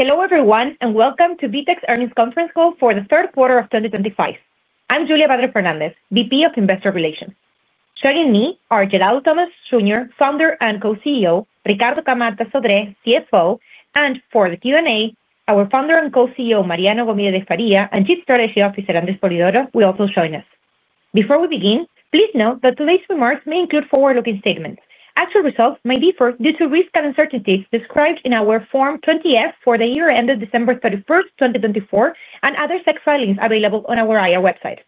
Hello everyone, and welcome to VTEX Earnings Conference Call for the Third Quarter of 2025. I'm Julia Vater Fernández, VP of Investor Relations. Joining me are Geraldo Thomaz, Jr., founder and co-CEO, Ricardo Camatta Sodré, CFO, and for the Q&A, our founder and co-CEO, Mariano Gomide de Faria, and Chief Strategy Officer, André Spolidoro, will also join us. Before we begin, please note that today's remarks may include forward-looking statements. Actual results may differ due to risks and uncertainties described in our Form 20-F for the year ended December 31st, 2024, and other tax filings available on our IRA website.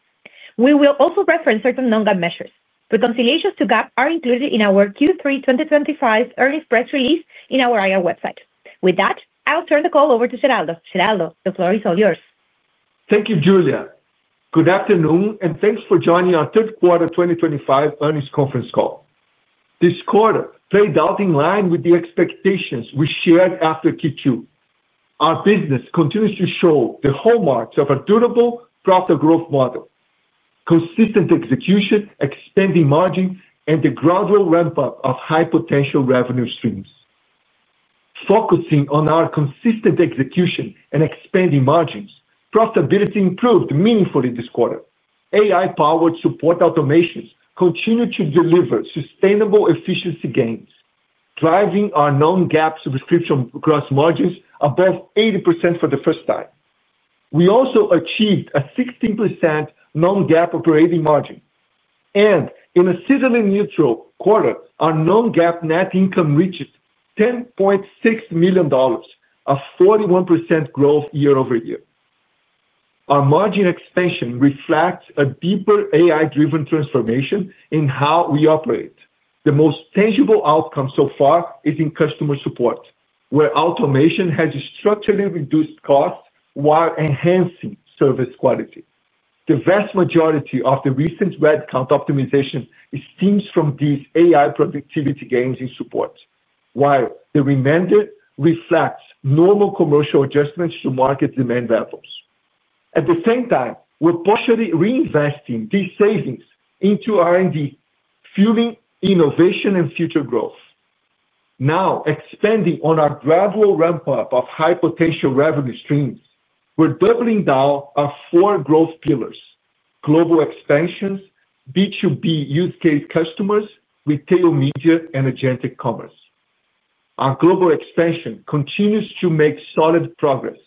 We will also reference certain non-GAAP measures. Reconciliations to GAAP are included in our Q3 2025 earnings press release in our IR website. With that, I'll turn the call over to Geraldo. Geraldo, the floor is all yours. Thank you, Julia. Good afternoon, and thanks for joining our third quarter 2025 earnings conference call. This quarter played out in line with the expectations we shared after Q2. Our business continues to show the hallmarks of a durable profit growth model: consistent execution, expanding margin, and the gradual ramp-up of high-potential revenue streams. Focusing on our consistent execution and expanding margins, profitability improved meaningfully this quarter. AI-powered support automations continue to deliver sustainable efficiency gains, driving our non-GAAP subscription gross margins above 80% for the first time. We also achieved a 16% non-GAAP operating margin, and in a seasonally neutral quarter, our non-GAAP net income reached $10.6 million, a 41% growth year-over- year. Our margin expansion reflects a deeper AI-driven transformation in how we operate. The most tangible outcome so far is in customer support, where automation has structurally reduced costs while enhancing service quality. The vast majority of the recent headcount optimization stems from these AI productivity gains in support, while the remainder reflects normal commercial adjustments to market demand levels. At the same time, we're partially reinvesting these savings into R&D, fueling innovation and future growth. Now, expanding on our gradual ramp-up of high-potential revenue streams, we're doubling down on four growth pillars: Global Expansions, B2B use-case customers, Retail Media, and Agentic Commerce. Our Global Expansion continues to make solid progress.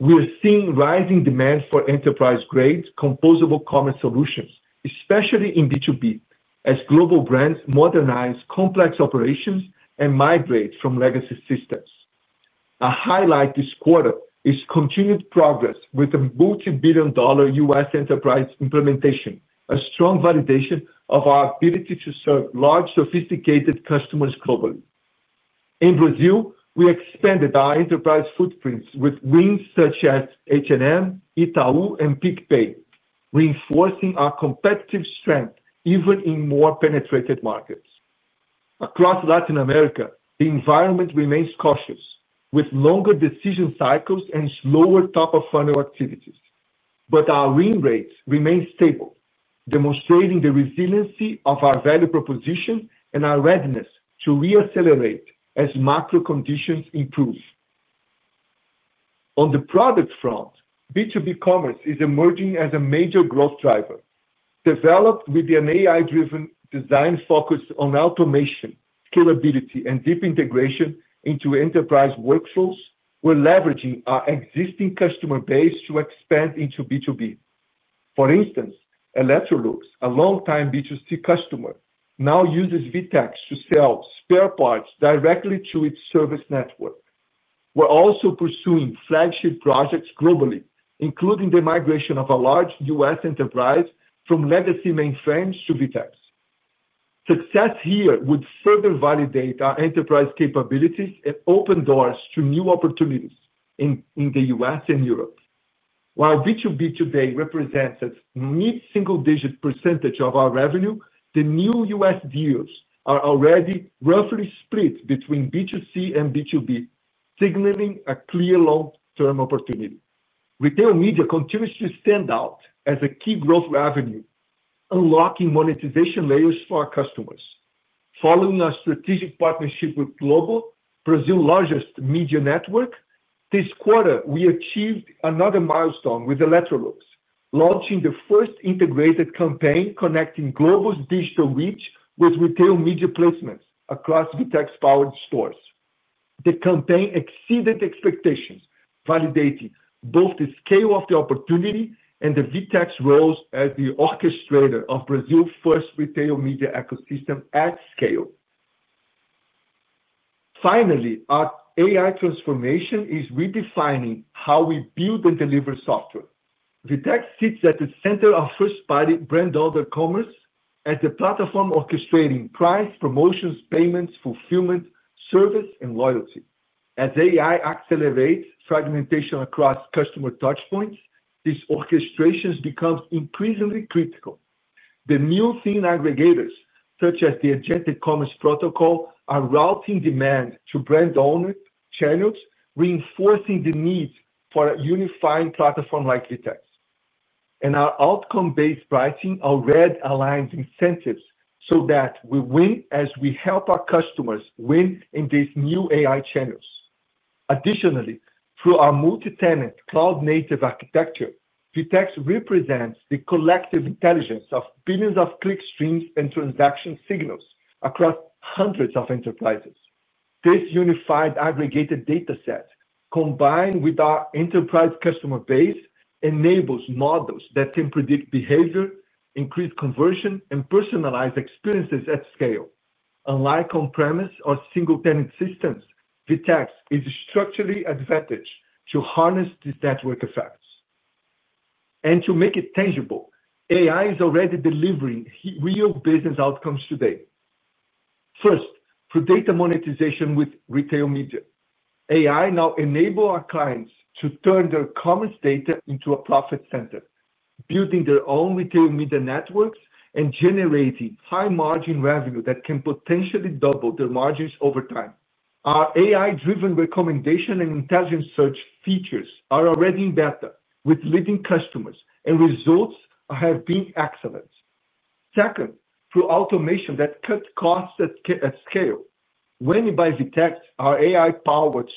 We're seeing rising demand for enterprise-grade composable commerce solutions, especially in B2B, as global brands modernize complex operations and migrate from legacy systems. A highlight this quarter is continued progress with the multi-billion-dollar U.S. enterprise implementation, a strong validation of our ability to serve large, sophisticated customers globally. In Brazil, we expanded our enterprise footprints with wins such as H&M, Itaú, and PicPay, reinforcing our competitive strength even in more penetrated markets. Across Latin America, the environment remains cautious, with longer decision cycles and slower top-up funnel activities, but our win rates remain stable, demonstrating the resiliency of our value proposition and our readiness to reaccelerate as macro conditions improve. On the product front, B2B Commerce is emerging as a major growth driver. Developed with an AI-driven design focused on automation, scalability, and deep integration into enterprise workflows, we're leveraging our existing customer base to expand into B2B. For instance, Electrolux, a longtime B2C customer, now uses VTEX to sell spare parts directly to its service network. We're also pursuing flagship projects globally, including the migration of a large U.S. enterprise from legacy mainframes to VTEX. Success here would further validate our enterprise capabilities and open doors to new opportunities in the U.S. and Europe. While B2B today represents a neat single-digit percentage of our revenue, the new U.S. deals are already roughly split between B2C and B2B, signaling a clear long-term opportunity. Retail Media continues to stand out as a key growth revenue, unlocking monetization layers for our customers. Following our strategic partnership with Globo, Brazil's largest media network, this quarter we achieved another milestone with Electrolux, launching the first integrated campaign connecting Globo's digital reach with retail media placements across VTEX-powered stores. The campaign exceeded expectations, validating both the scale of the opportunity and the VTEX role as the orchestrator of Brazil's first retail media ecosystem at scale. Finally, our AI transformation is redefining how we build and deliver software. VTEX sits at the center of first-party brand-order commerce as the platform orchestrating price, promotions, payments, fulfillment, service, and loyalty. As AI accelerates fragmentation across customer touchpoints, this orchestration becomes increasingly critical. The new theme aggregators, such as the Agentic Commerce protocol, are routing demand to brand-owner channels, reinforcing the need for a unifying platform like VTEX. Our outcome-based pricing already aligns incentives so that we win as we help our customers win in these new AI channels. Additionally, through our multi-tenant cloud-native architecture, VTEX represents the collective intelligence of billions of click streams and transaction signals across hundreds of enterprises. This unified aggregated data set, combined with our enterprise customer base, enables models that can predict behavior, increase conversion, and personalize experiences at scale. Unlike on-premise or single-tenant systems, VTEX is structurally advantaged to harness these network effects. To make it tangible, AI is already delivering real business outcomes today. First, through data monetization with Retail Media, AI now enables our clients to turn their commerce data into a profit center, building their own retail media networks and generating high-margin revenue that can potentially double their margins over time. Our AI-driven recommendation and intelligence search features are already in beta with leading customers, and results have been excellent. Second, through automation that cuts costs at scale, Weni by VTEX, our AI-powered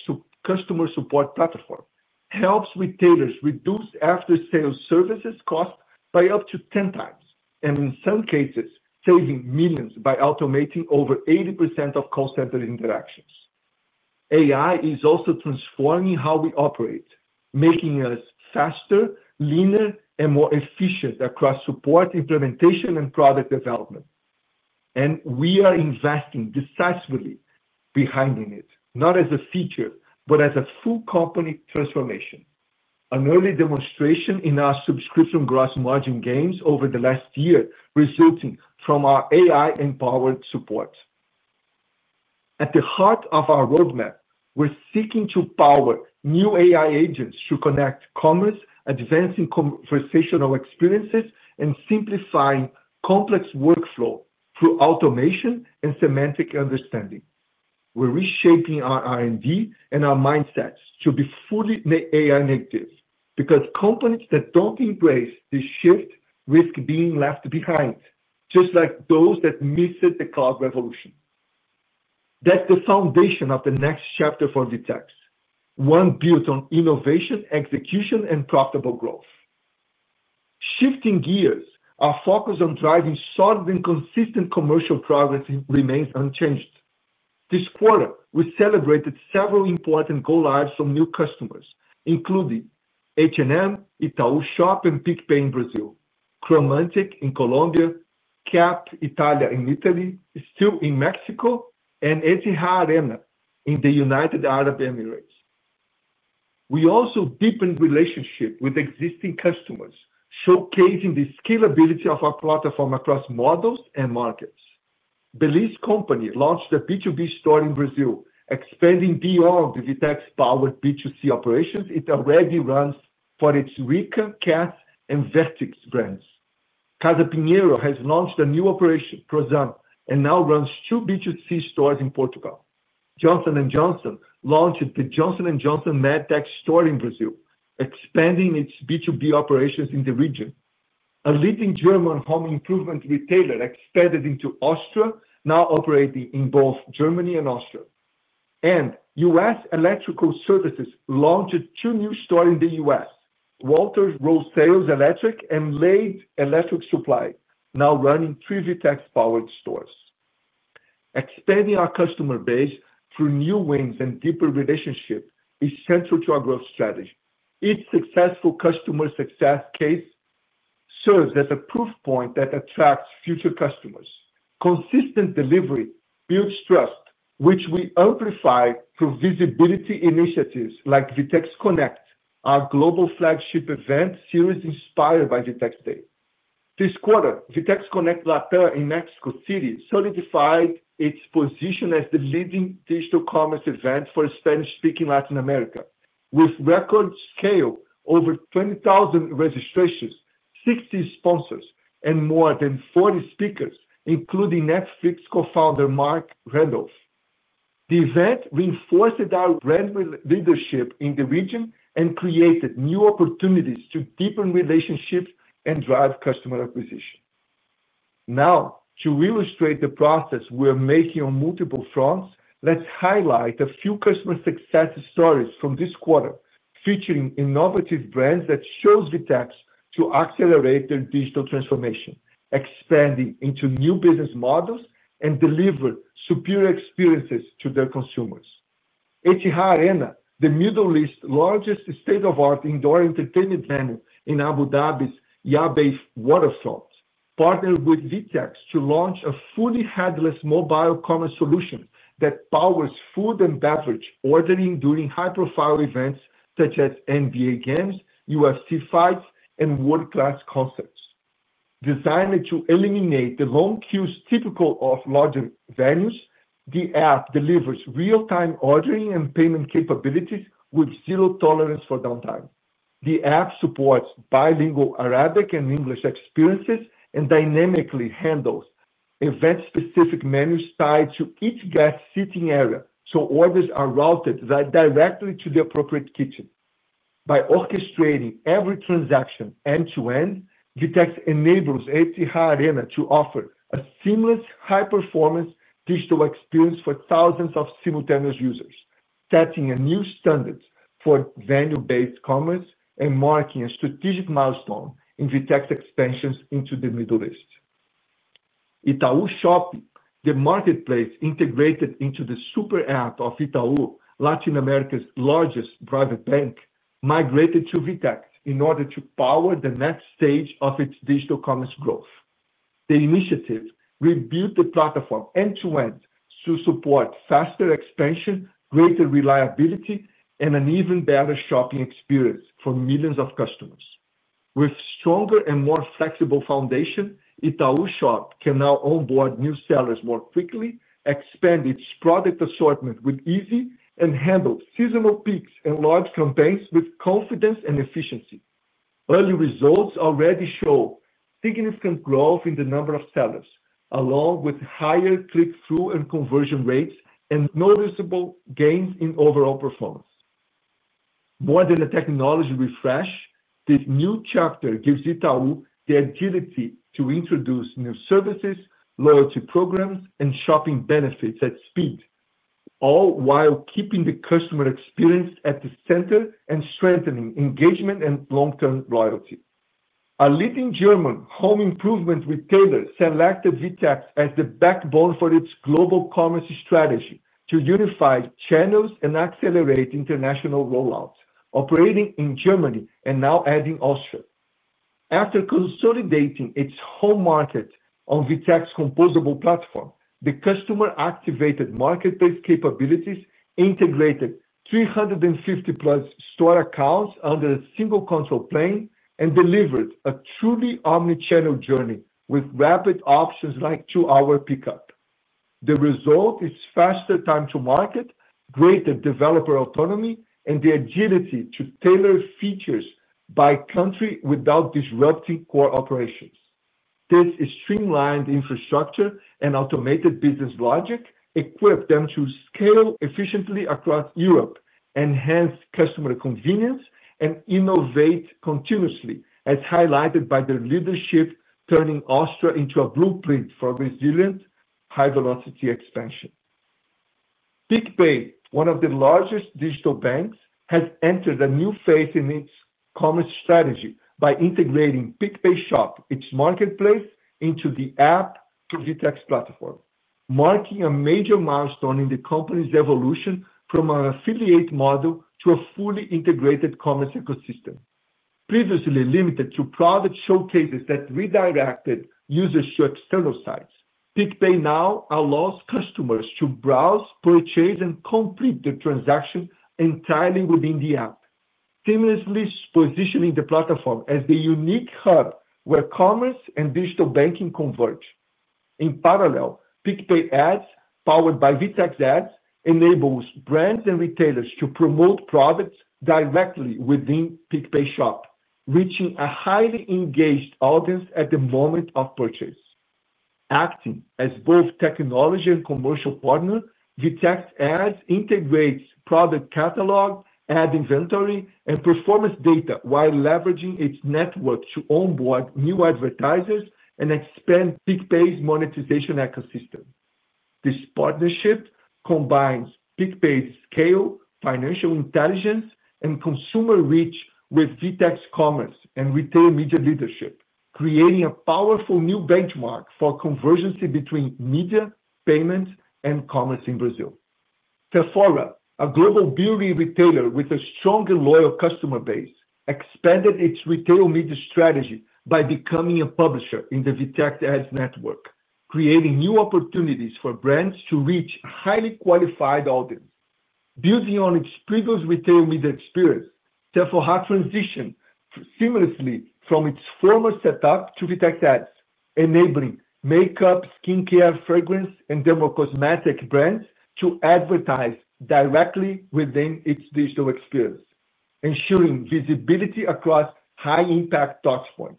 customer support platform, helps retailers reduce after-sale services costs by up to 10 times, and in some cases, saving millions by automating over 80% of call center interactions. AI is also transforming how we operate, making us faster, leaner, and more efficient across support, implementation, and product development. We are investing decisively behind in it, not as a feature, but as a full company transformation, an early demonstration in our subscription gross margin gains over the last year, resulting from our AI-empowered support. At the heart of our roadmap, we're seeking to power new AI agents to connect commerce, advancing conversational experiences, and simplifying complex workflows through automation and semantic understanding. We're reshaping our R&D and our mindsets to be fully AI-native, because companies that do not embrace this shift risk being left behind, just like those that missed the cloud revolution. That is the foundation of the next chapter for VTEX, one built on innovation, execution, and profitable growth. Shifting gears, our focus on driving solid and consistent commercial progress remains unchanged. This quarter, we celebrated several important go-lives from new customers, including. H&M, Itaú Shop, and PicPay in Brazil, Cromantic in Colombia, KEP Italia in Italy, STIHL in Mexico, and Etihad Arena in the United Arab Emirates. We also deepened relationships with existing customers, showcasing the scalability of our platform across models and markets. Belliz Company launched a B2B store in Brazil, expanding beyond the VTEX-powered B2C operations it already runs for its Ricca, Kess, and Vertix brands. Casa Pinheiro has launched a new operation, Prosam, and now runs two B2C stores in Portugal. Johnson & Johnson launched the Johnson & Johnson MedTech store in Brazil, expanding its B2B operations in the region. A leading German home improvement retailer expanded into Austria, now operating in both Germany and Austria. U.S. Electrical Services launched two new stores in the U.S., Walter Wholesale Electric and Lade Electric Supply, now running three VTEX-powered stores. Expanding our customer base through new wins and deeper relationships is central to our growth strategy. Each successful customer success case serves as a proof point that attracts future customers. Consistent delivery builds trust, which we amplify through visibility initiatives like VTEX Connect, our global flagship event series inspired by VTEX Day. This quarter, VTEX Connect LATAM in Mexico City solidified its position as the leading digital commerce event for Spanish-speaking Latin America, with record scale over 20,000 registrations, 60 sponsors, and more than 40 speakers, including Netflix co-founder Marc Randolph. The event reinforced our brand leadership in the region and created new opportunities to deepen relationships and drive customer acquisition. Now, to illustrate the progress we're making on multiple fronts, let's highlight a few customer success stories from this quarter, featuring innovative brands that chose VTEX to accelerate their digital transformation, expanding into new business models, and delivering superior experiences to their consumers. Etihad Arena, the Middle East's largest state-of-the-art indoor entertainment venue in Abu Dhabi's Yas Bay Waterfront, partnered with VTEX to launch a fully headless mobile commerce solution that powers food and beverage ordering during high-profile events such as NBA games, UFC fights, and world-class concerts. Designed to eliminate the long queues typical of larger venues, the app delivers real-time ordering and payment capabilities with zero tolerance for downtime. The app supports bilingual Arabic and English experiences and dynamically handles event-specific menus tied to each guest's seating area so orders are routed directly to the appropriate kitchen. By orchestrating every transaction end-to-end, VTEX enables Etihad Arena to offer a seamless, high-performance digital experience for thousands of simultaneous users, setting new standards for venue-based commerce and marking a strategic milestone in VTEX expansions into the Middle East. Itaú Shop, the marketplace integrated into the Superapp of Itaú, Latin America's largest private bank, migrated to VTEX in order to power the next stage of its digital commerce growth. The initiative rebuilt the platform end-to-end to support faster expansion, greater reliability, and an even better shopping experience for millions of customers. With a stronger and more flexible foundation, Itaú Shop can now onboard new sellers more quickly, expand its product assortment with ease, and handle seasonal peaks and large campaigns with confidence and efficiency. Early results already show significant growth in the number of sellers, along with higher click-through and conversion rates and noticeable gains in overall performance. More than a technology refresh, this new chapter gives Itaú the agility to introduce new services, loyalty programs, and shopping benefits at speed, all while keeping the customer experience at the center and strengthening engagement and long-term loyalty. A leading German home-improvement retailer selected VTEX as the backbone for its global commerce strategy to unify channels and accelerate international rollouts, operating in Germany and now adding Austria. After consolidating its home market on VTEX's composable platform, the customer activated marketplace capabilities, integrated 350+ store accounts under a single control plane, and delivered a truly omnichannel journey with rapid options like two-hour pickup. The result is faster time-to-market, greater developer autonomy, and the agility to tailor features by country without disrupting core operations. This streamlined infrastructure and automated business logic equipped them to scale efficiently across Europe, enhance customer convenience, and innovate continuously, as highlighted by their leadership, turning Austria into a blueprint for resilient, high-velocity expansion. PicPay, one of the largest digital banks, has entered a new phase in its commerce strategy by integrating PicPay Shop, its marketplace, into the app through VTEX platform, marking a major milestone in the company's evolution from an affiliate model to a fully integrated commerce ecosystem. Previously limited to product showcases that redirected users to external sites, PicPay now allows customers to browse, purchase, and complete their transaction entirely within the app, seamlessly positioning the platform as the unique hub where commerce and digital banking converge. In parallel, PicPay Ads, powered by VTEX Ads, enables brands and retailers to promote products directly within PicPay Shop, reaching a highly engaged audience at the moment of purchase. Acting as both technology and commercial partner, VTEX Ads integrates product catalog, ad inventory, and performance data while leveraging its network to onboard new advertisers and expand PicPay's monetization ecosystem. This partnership combines PicPay's scale, financial intelligence, and consumer reach with VTEX commerce and retail media leadership, creating a powerful new benchmark for convergency between media, payments, and commerce in Brazil. Sephora, a global beauty retailer with a strong and loyal customer base, expanded its retail media strategy by becoming a publisher in the VTEX Ads network, creating new opportunities for brands to reach highly qualified audiences. Building on its previous retail media experience, Sephora transitioned seamlessly from its former setup to VTEX Ads, enabling makeup, skincare, fragrance, and dermocosmetic brands to advertise directly within its digital experience, ensuring visibility across high-impact touchpoints.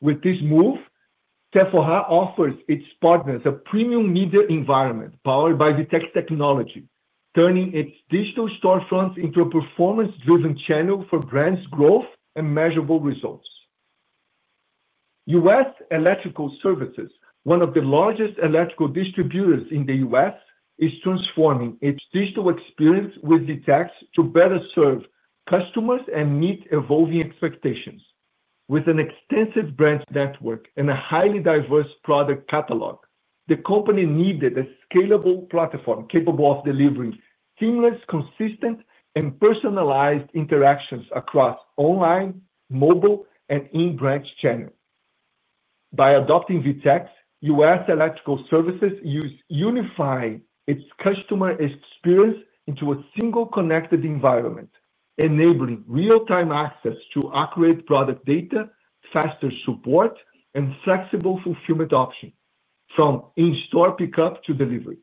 With this move, Sephora offers its partners a premium media environment powered by VTEX technology, turning its digital storefronts into a performance-driven channel for brands' growth and measurable results. U.S. Electrical Services, one of the largest electrical distributors in the U.S., is transforming its digital experience with VTEX to better serve customers and meet evolving expectations. With an extensive brand network and a highly diverse product catalog, the company needed a scalable platform capable of delivering seamless, consistent, and personalized interactions across online, mobile, and in-brand channels. By adopting VTEX, U.S. Electrical Services is unifying its customer experience into a single connected environment, enabling real-time access to accurate product data, faster support, and flexible fulfillment options, from in-store pickup to delivery.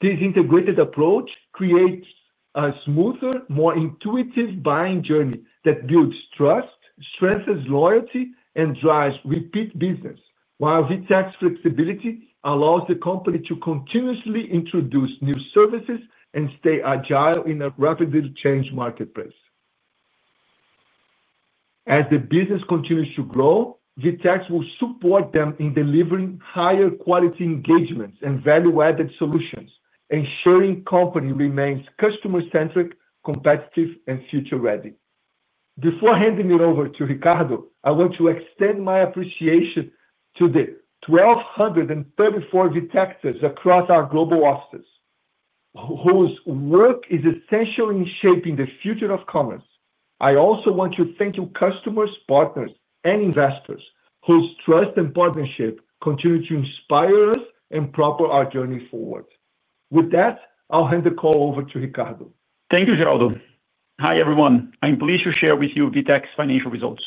This integrated approach creates a smoother, more intuitive buying journey that builds trust, strengthens loyalty, and drives repeat business, while VTEX flexibility allows the company to continuously introduce new services and stay agile in a rapidly changing marketplace. As the business continues to grow, VTEX will support them in delivering higher-quality engagements and value-added solutions, ensuring the company remains customer-centric, competitive, and future-ready. Before handing it over to Ricardo, I want to extend my appreciation to the 1,234 VTEXers across our global offices, whose work is essential in shaping the future of commerce. I also want to thank our customers, partners, and investors whose trust and partnership continue to inspire us and propel our journey forward. With that, I'll hand the call over to Ricardo. Thank you, Geraldo. Hi, everyone. I'm pleased to share with you VTEX financial results.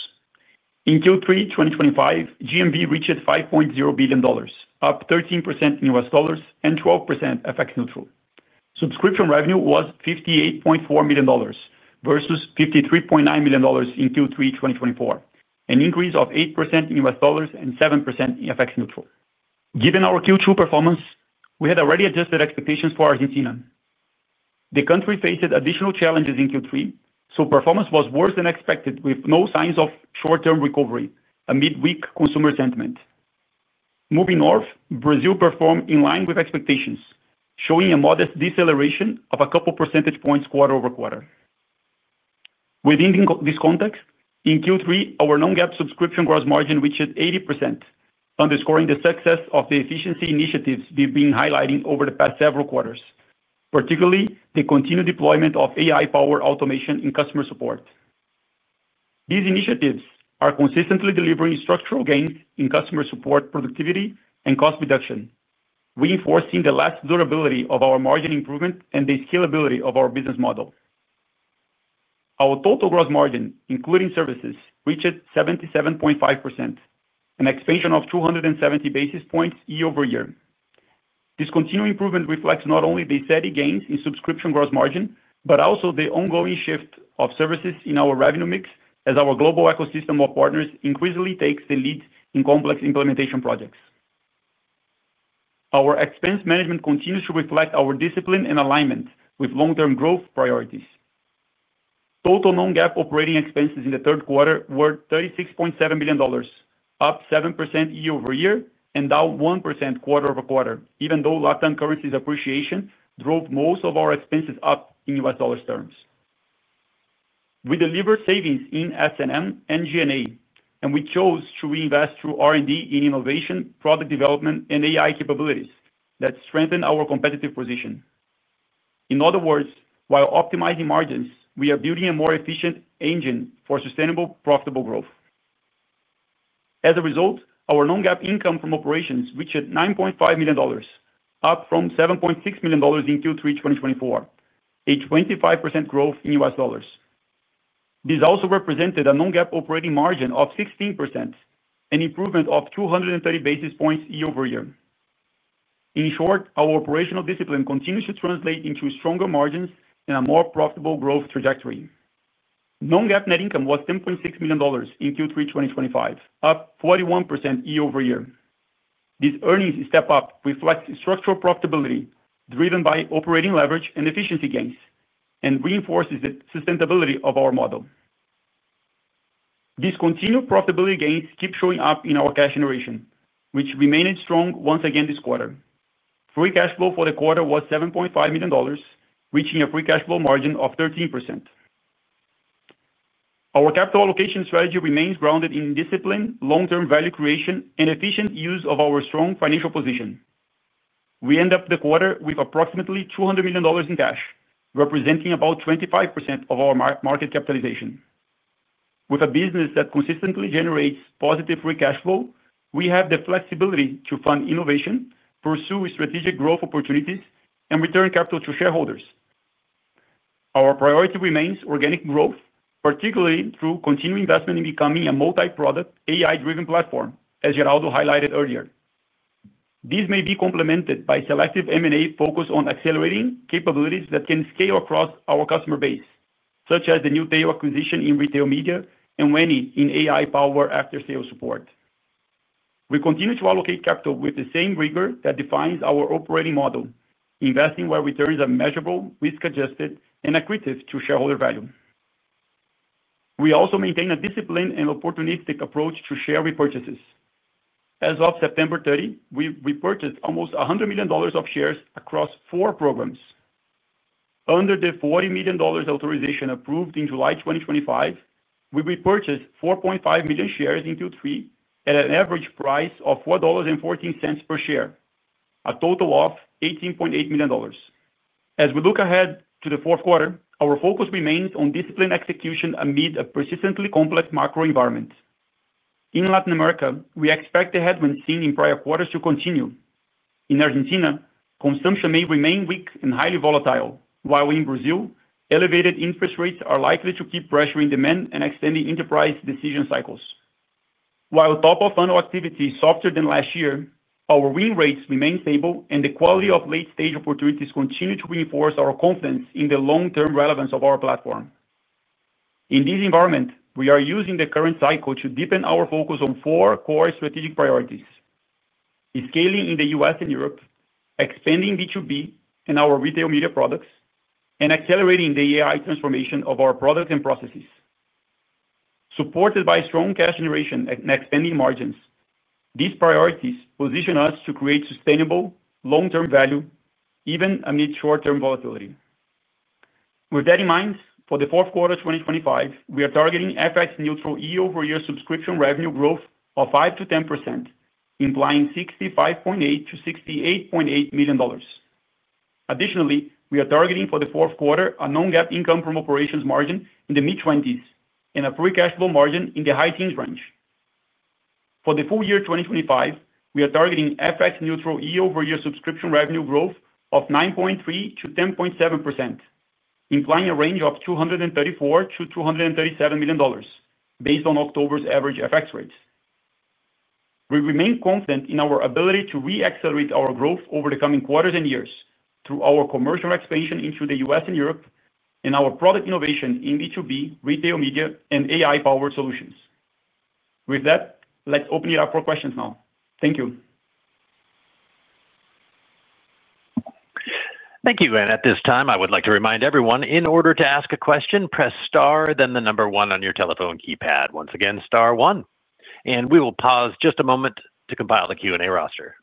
In Q3 2025, GMV reached $5.0 billion, up 13% in U.S. dollars and 12% FX-neutral. Subscription revenue was $58.4 million versus $53.9 million in Q3 2024, an increase of 8% in U.S. dollars and 7% in FX-neutral. Given our Q2 performance, we had already adjusted expectations for Argentina. The country faced additional challenges in Q3, so performance was worse than expected, with no signs of short-term recovery, amid weak consumer sentiment. Moving north, Brazil performed in line with expectations, showing a modest deceleration of a couple percentage points quarter-over-quarter. Within this context, in Q3, our non-GAAP subscription gross margin reached 80%, underscoring the success of the efficiency initiatives we've been highlighting over the past several quarters, particularly the continued deployment of AI-powered automation in customer support. These initiatives are consistently delivering structural gains in customer support productivity and cost reduction, reinforcing the last durability of our margin improvement and the scalability of our business model. Our total gross margin, including services, reached 77.5%, an expansion of 270 basis points year-over-year. This continued improvement reflects not only the steady gains in subscription gross margin but also the ongoing shift of services in our revenue mix as our global ecosystem of partners increasingly takes the lead in complex implementation projects. Our expense management continues to reflect our discipline and alignment with long-term growth priorities. Total non-GAAP operating expenses in the third quarter were $36.7 million, up 7% year-over-year and down 1% quarter-over-quarter, even though LATAM currency's appreciation drove most of our expenses up in U.S. dollars terms. We delivered savings in S&M and G&A, and we chose to reinvest through R&D in innovation, product development, and AI capabilities that strengthen our competitive position. In other words, while optimizing margins, we are building a more efficient engine for sustainable, profitable growth. As a result, our non-GAAP income from operations reached $9.5 million, up from $7.6 million in Q3 2024, a 25% growth in U.S. dollars. This also represented a non-GAAP operating margin of 16%, an improvement of 230 basis points year-over-year. In short, our operational discipline continues to translate into stronger margins and a more profitable growth trajectory. Non-GAAP net income was $10.6 million in Q3 2025, up 41% year-over-year. These earnings step up, reflecting structural profitability driven by operating leverage and efficiency gains, and reinforce the sustainability of our model. These continued profitability gains keep showing up in our cash generation, which remained strong once again this quarter. Free cash flow for the quarter was $7.5 million, reaching a free cash flow margin of 13%. Our capital allocation strategy remains grounded in discipline, long-term value creation, and efficient use of our strong financial position. We ended the quarter with approximately $200 million in cash, representing about 25% of our market capitalization. With a business that consistently generates positive free cash flow, we have the flexibility to fund innovation, pursue strategic growth opportunities, and return capital to shareholders. Our priority remains organic growth, particularly through continued investment in becoming a multi-product, AI-driven platform, as Geraldo highlighted earlier. This may be complemented by selective M&A focused on accelerating capabilities that can scale across our customer base, such as the newtail acquisition in Retail Media and Weni in AI-powered after-sales support. We continue to allocate capital with the same rigor that defines our operating model, investing where returns are measurable, risk-adjusted, and accretive to shareholder value. We also maintain a disciplined and opportunistic approach to share repurchases. As of September 30, we repurchased almost $100 million of shares across four programs. Under the $40 million authorization approved in July 2025, we repurchased 4.5 million shares in Q3 at an average price of $4.14 per share, a total of $18.8 million. As we look ahead to the fourth quarter, our focus remains on discipline execution amid a persistently complex macro environment. In Latin America, we expect the headwinds seen in prior quarters to continue. In Argentina, consumption may remain weak and highly volatile, while in Brazil, elevated interest rates are likely to keep pressuring demand and extending enterprise decision cycles. While top-of-funnel activity is softer than last year, our win rates remain stable, and the quality of late-stage opportunities continue to reinforce our confidence in the long-term relevance of our platform. In this environment, we are using the current cycle to deepen our focus on four core strategic priorities. Scaling in the U.S. and Europe, expanding B2B and our Retail Media products, and accelerating the AI transformation of our products and processes. Supported by strong cash generation and expanding margins, these priorities position us to create sustainable, long-term value, even amid short-term volatility. With that in mind, for the fourth quarter of 2025, we are targeting FX-neutral year-over-year subscription revenue growth of 5%-10%, implying $65.8 million-$68.8 million. Additionally, we are targeting for the fourth quarter a non-GAAP income from operations margin in the mid-20s and a free cash flow margin in the high-teens range. For the full year 2025, we are targeting FX-neutral year-over-year subscription revenue growth of 9.3%-10.7%, implying a range of $234 million-$237 million, based on October's average FX rates. We remain confident in our ability to re-accelerate our growth over the coming quarters and years through our commercial expansion into the U.S. and Europe and our product innovation in B2B, Retail Media, and AI-powered solutions. With that, let's open it up for questions now. Thank you. Thank you, and at this time, I would like to remind everyone, in order to ask a question, press star, then the number one on your telephone keypad. Once again, star one. We will pause just a moment to compile the Q&A roster.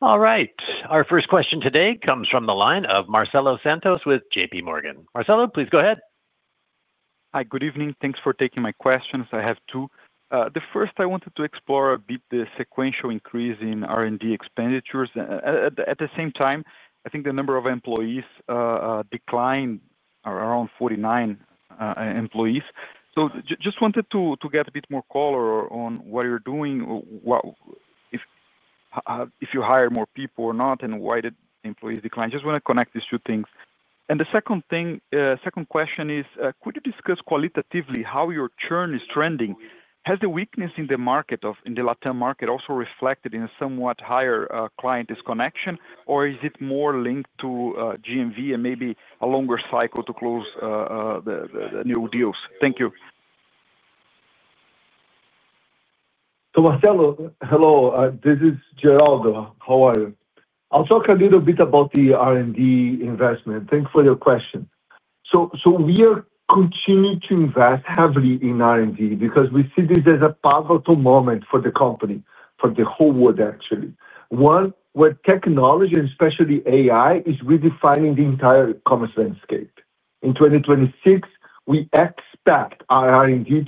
All right. Our first question today comes from the line of Marcelo Santos with JPMorgan. Marcelo, please go ahead. Hi, good evening. Thanks for taking my questions. I have two. The first, I wanted to explore a bit the sequential increase in R&D expenditures. At the same time, I think the number of employees declined, around 49 employees. Just wanted to get a bit more color on what you're doing. If you hire more people or not, and why did employees decline? Just want to connect these two things. The second question is, could you discuss qualitatively how your churn is trending? Has the weakness in the market, in the LATAM market, also reflected in somewhat higher client disconnection, or is it more linked to GMV and maybe a longer cycle to close the new deals? Thank you. Marcelo, hello. This is Geraldo. How are you? I'll talk a little bit about the R&D investment. Thanks for your question. We are continuing to invest heavily in R&D because we see this as a pivotal moment for the company, for the whole world, actually. One where technology, and especially AI, is redefining the entire commerce landscape. In 2026, we expect our R&D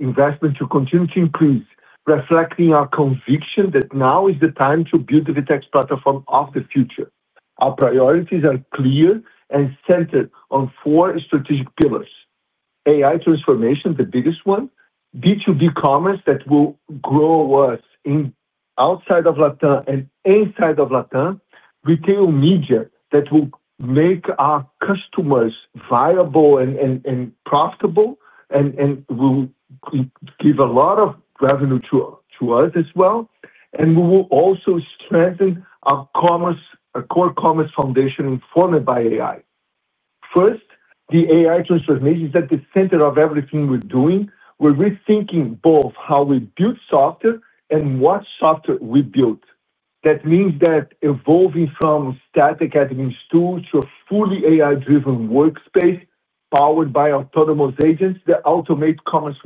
investment to continue to increase, reflecting our conviction that now is the time to build the VTEX platform of the future. Our priorities are clear and centered on four strategic pillars. AI transformation, the biggest one. B2B Commerce that will grow us outside of LATAM and inside of LATAM. Retail Media that will make our customers viable and profitable and will give a lot of revenue to us as well. We will also strengthen our core commerce foundation informed by AI. First, the AI transformation is at the center of everything we're doing. We're rethinking both how we build software and what software we build. That means that evolving from static admin tools to a fully AI-driven workspace powered by autonomous agents that automate commerce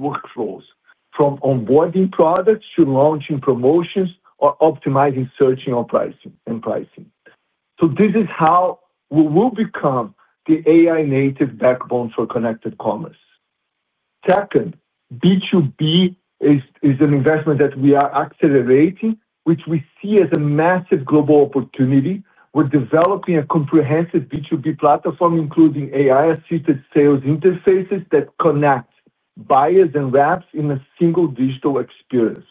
workflows, from onboarding products to launching promotions or optimizing searching and pricing. This is how we will become the AI-native backbone for connected commerce. Second, B2B is an investment that we are accelerating, which we see as a massive global opportunity. We're developing a comprehensive B2B platform, including AI-assisted sales interfaces that connect buyers and reps in a single digital experience.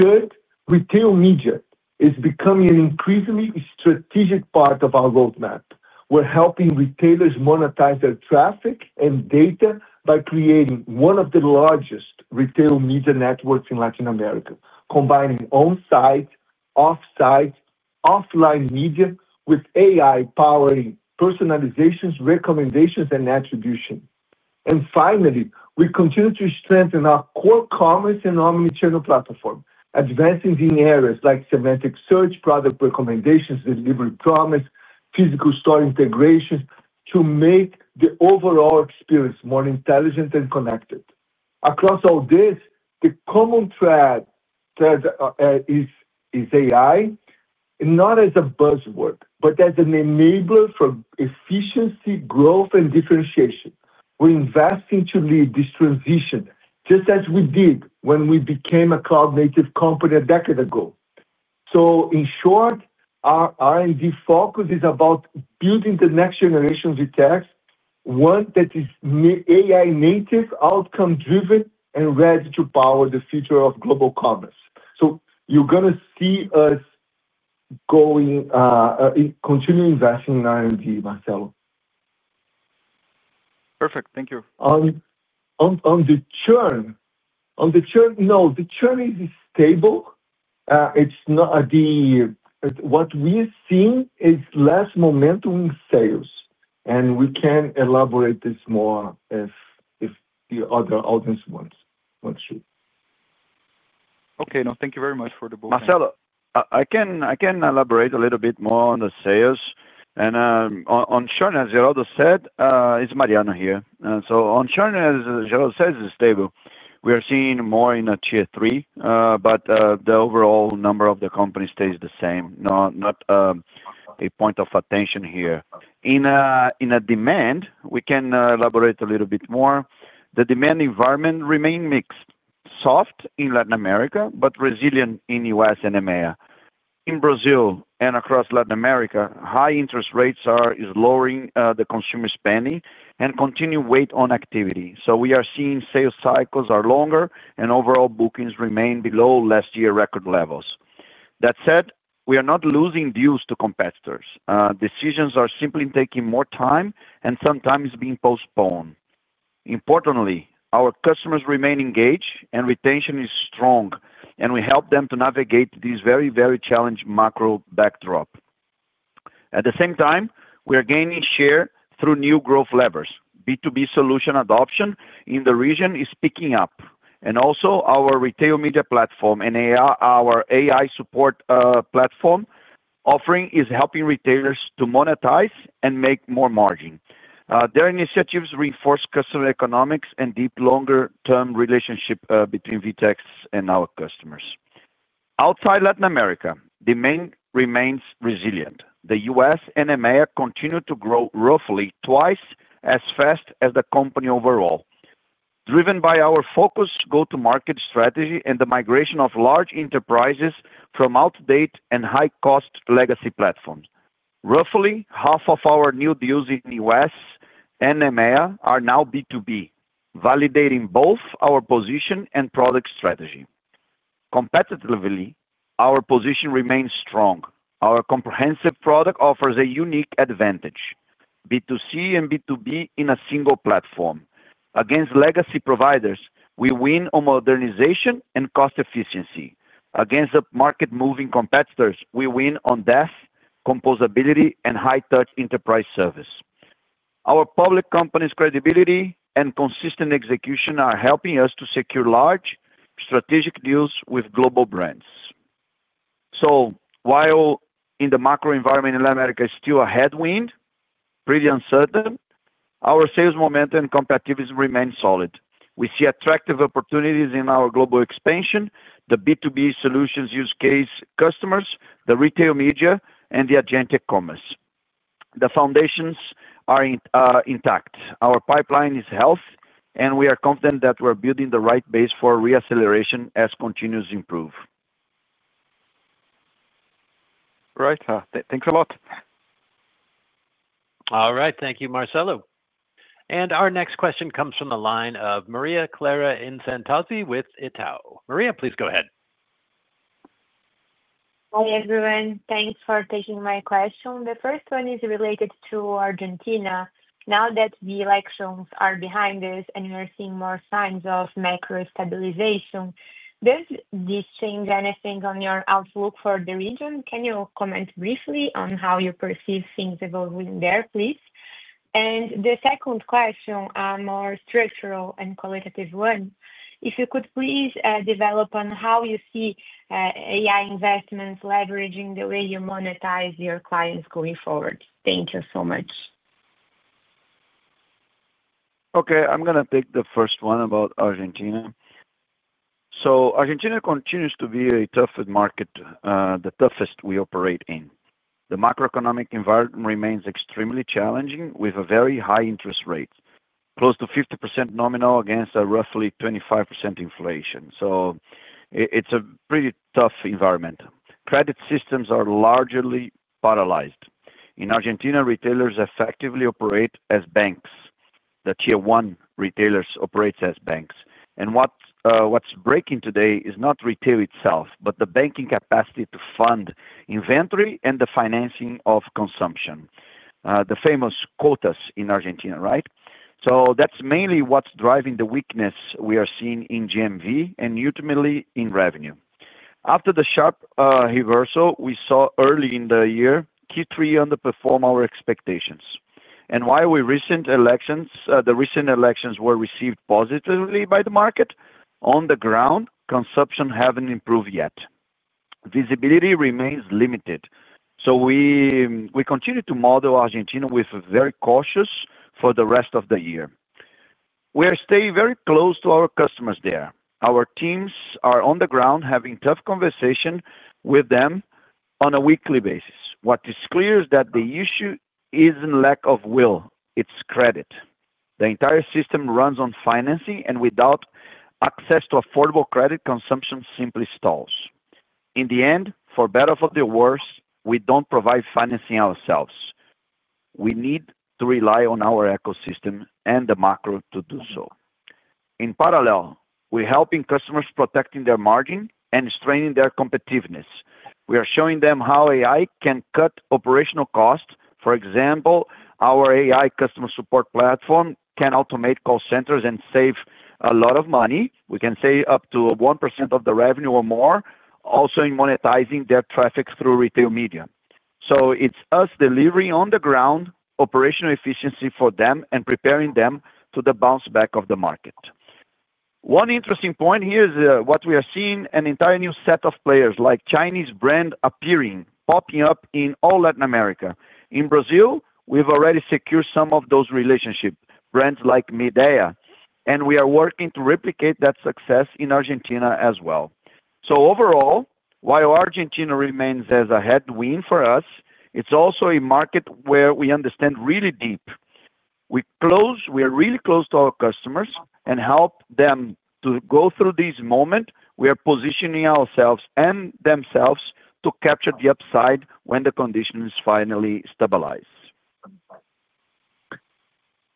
Third, Retail Media is becoming an increasingly strategic part of our roadmap. We're helping retailers monetize their traffic and data by creating one of the largest retail media networks in Latin America, combining on-site, off-site, offline media with AI-powered personalizations, recommendations, and attribution. Finally, we continue to strengthen our core commerce and omnichannel platform, advancing in areas like semantic search, product recommendations, delivery promise, physical store integrations to make the overall experience more intelligent and connected. Across all this, the common thread is AI. Not as a buzzword, but as an enabler for efficiency, growth, and differentiation. We're investing to lead this transition, just as we did when we became a cloud-native company a decade ago. In short, our R&D focus is about building the next generation of VTEX, one that is AI-native, outcome-driven, and ready to power the future of global commerce. You're going to see us continue investing in R&D, Marcelo. Perfect. Thank you. On the churn, no, the churn is stable. What we're seeing is less momentum in sales. We can elaborate this more if the other audience wants to. Okay. No, thank you very much for the book. Marcelo, I can elaborate a little bit more on the sales. On churn, as Geraldo said, it's Mariano here. On churn, as Geraldo says, it's stable. We are seeing more in Tier 3, but the overall number of the company stays the same. Not a point of attention here. In demand, we can elaborate a little bit more. The demand environment remains mixed, soft in Latin America, but resilient in the U.S. and EMEA. In Brazil and across Latin America, high interest rates are slowing the consumer spending and continuing weight on activity. We are seeing sales cycles are longer, and overall bookings remain below last year's record levels. That said, we are not losing deals to competitors. Decisions are simply taking more time and sometimes being postponed. Importantly, our customers remain engaged, and retention is strong, and we help them to navigate this very, very challenging macro backdrop. At the same time, we are gaining share through new growth levers. B2B solution adoption in the region is picking up. Also, our Retail Media platform and our AI support platform offering is helping retailers to monetize and make more margin. Their initiatives reinforce customer economics and deep longer-term relationships between VTEX and our customers. Outside Latin America, demand remains resilient. The U.S. and EMEA continue to grow roughly twice as fast as the company overall. Driven by our focus, go-to-market strategy, and the migration of large enterprises from outdated and high-cost legacy platforms. Roughly half of our new deals in the U.S. and EMEA are now B2B, validating both our position and product strategy. Competitively, our position remains strong. Our comprehensive product offers a unique advantage: B2C and B2B in a single platform. Against legacy providers, we win on modernization and cost efficiency. Against upmarket moving competitors, we win on depth, composability, and high-touch enterprise service. Our public company's credibility and consistent execution are helping us to secure large strategic deals with global brands. While in the macro environment, Latin America is still a headwind, pretty uncertain, our sales momentum and competitiveness remain solid. We see attractive opportunities in our Global Expansion, the B2B solutions use-case customers, the Retail Media, and the Agentic Commerce. The foundations are intact. Our pipeline is health, and we are confident that we're building the right base for re-acceleration as continues to improve. Right. Thanks a lot. All right. Thank you, Marcelo. Our next question comes from the line of Maria Clara Infantozzi with Itaú. Maria, please go ahead. Hi, everyone. Thanks for taking my question. The first one is related to Argentina. Now that the elections are behind us and we're seeing more signs of macro stabilization, does this change anything on your outlook for the region? Can you comment briefly on how you perceive things evolving there, please? The second question, a more structural and qualitative one, if you could please develop on how you see AI investments leveraging the way you monetize your clients going forward. Thank you so much. Okay. I am going to take the first one about Argentina. Argentina continues to be a tough market, the toughest we operate in. The macroeconomic environment remains extremely challenging with very high interest rates, close to 50% nominal against a roughly 25% inflation. It is a pretty tough environment. Credit systems are largely paralyzed. In Argentina, retailers effectively operate as banks. The Tier 1 retailers operate as banks. What is breaking today is not retail itself, but the banking capacity to fund inventory and the financing of consumption, the famous quotas in Argentina, right? That is mainly what is driving the weakness we are seeing in GMV and ultimately in revenue. After the sharp reversal we saw early in the year, Q3 underperformed our expectations. While the recent elections were received positively by the market, on the ground, consumption has not improved yet. Visibility remains limited. We continue to model Argentina with very cautious for the rest of the year. We are staying very close to our customers there. Our teams are on the ground, having tough conversations with them on a weekly basis. What is clear is that the issue is not lack of will; it is credit. The entire system runs on financing, and without access to affordable credit, consumption simply stalls. In the end, for better or for the worse, we do not provide financing ourselves. We need to rely on our ecosystem and the macro to do so. In parallel, we are helping customers protect their margin and straining their competitiveness. We are showing them how AI can cut operational costs. For example, our AI customer support platform can automate call centers and save a lot of money. We can save up to 1% of the revenue or more, also in monetizing their traffic through retail media. It is us delivering on the ground operational efficiency for them and preparing them for the bounce back of the market. One interesting point here is what we are seeing: an entire new set of players like Chinese brands appearing, popping up in all Latin America. In Brazil, we have already secured some of those relationships, brands like Midea, and we are working to replicate that success in Argentina as well. Overall, while Argentina remains as a headwind for us, it is also a market where we understand really deep. We are really close to our customers and help them to go through this moment. We are positioning ourselves and themselves to capture the upside when the conditions finally stabilize.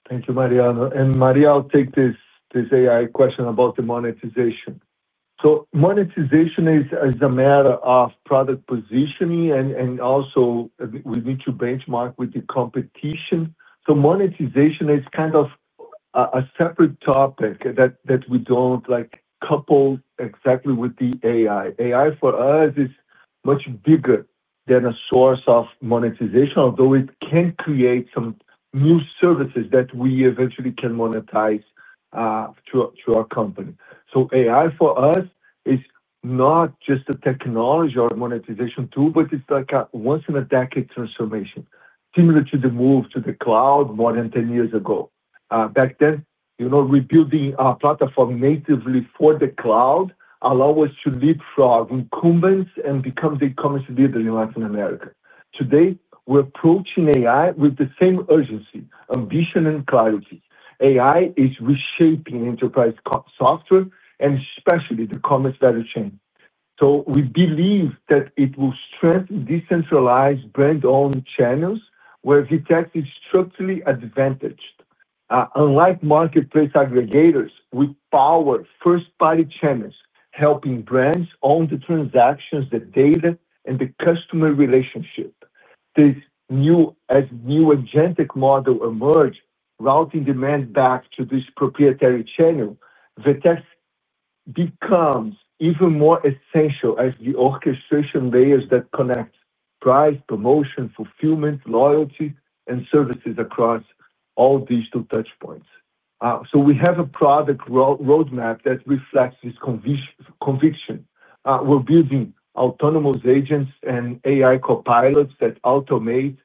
Thank you, Mariano. Mariano, I'll take this AI question about the monetization. Monetization is a matter of product positioning, and also, we need to benchmark with the competition. Monetization is kind of a separate topic that we do not couple exactly with the AI. AI, for us, is much bigger than a source of monetization, although it can create some new services that we eventually can monetize through our company. AI, for us, is not just a technology or a monetization tool, but it is like a once-in-a-decade transformation, similar to the move to the cloud more than 10 years ago. Back then, rebuilding our platform natively for the cloud allowed us to leapfrog incumbents and become the e-commerce leader in Latin America. Today, we're approaching AI with the same urgency, ambition, and clarity. AI is reshaping enterprise software and especially the commerce value chain. We believe that it will strengthen decentralized brand-owned channels where VTEX is structurally advantaged. Unlike marketplace aggregators, we power first-party channels, helping brands own the transactions, the data, and the customer relationship. As new agentic models emerge, routing demand back to this proprietary channel, VTEX becomes even more essential as the orchestration layers that connect price, promotion, fulfillment, loyalty, and services across all digital touchpoints. We have a product roadmap that reflects this conviction. We're building autonomous agents and AI copilots that automate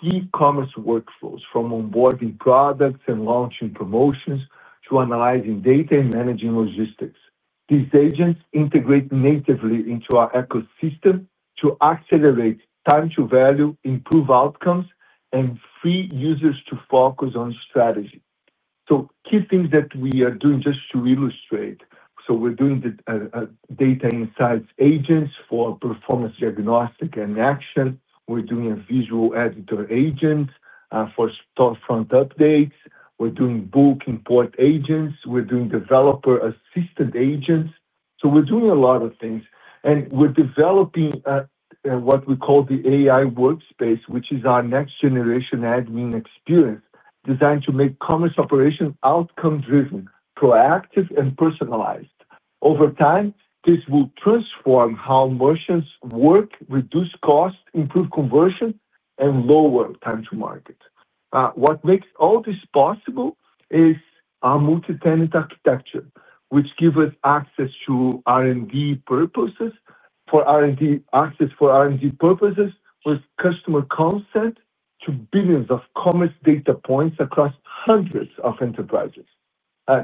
key commerce workflows, from onboarding products and launching promotions to analyzing data and managing logistics. These agents integrate natively into our ecosystem to accelerate time-to-value, improve outcomes, and free users to focus on strategy. Key things that we are doing just to illustrate. We're doing the data insights agents for performance diagnostic and action. We're doing a visual editor agent for front updates. We're doing book import agents. We're doing developer assistant agents. We're doing a lot of things. We're developing what we call the AI workspace, which is our next-generation admin experience, designed to make commerce operations outcome-driven, proactive, and personalized. Over time, this will transform how merchants work, reduce costs, improve conversion, and lower time-to-market. What makes all this possible is our multi-tenant architecture, which gives us access for R&D purposes with customer consent to billions of commerce data points across hundreds of enterprises.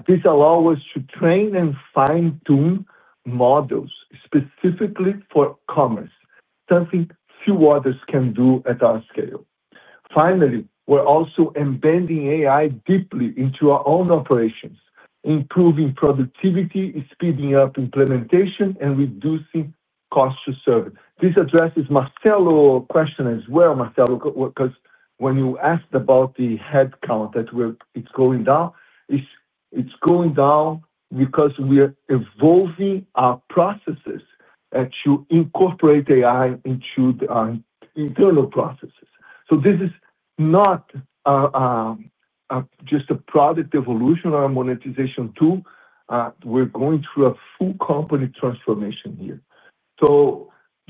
This allows us to train and fine-tune models specifically for commerce, something few others can do at our scale. Finally, we're also embedding AI deeply into our own operations, improving productivity, speeding up implementation, and reducing cost to service. This addresses Marcelo's question as well, Marcelo, because when you asked about the headcount that it's going down, it's going down because we're evolving our processes to incorporate AI into our internal processes. This is not just a product evolution or a monetization tool. We're going through a full company transformation here.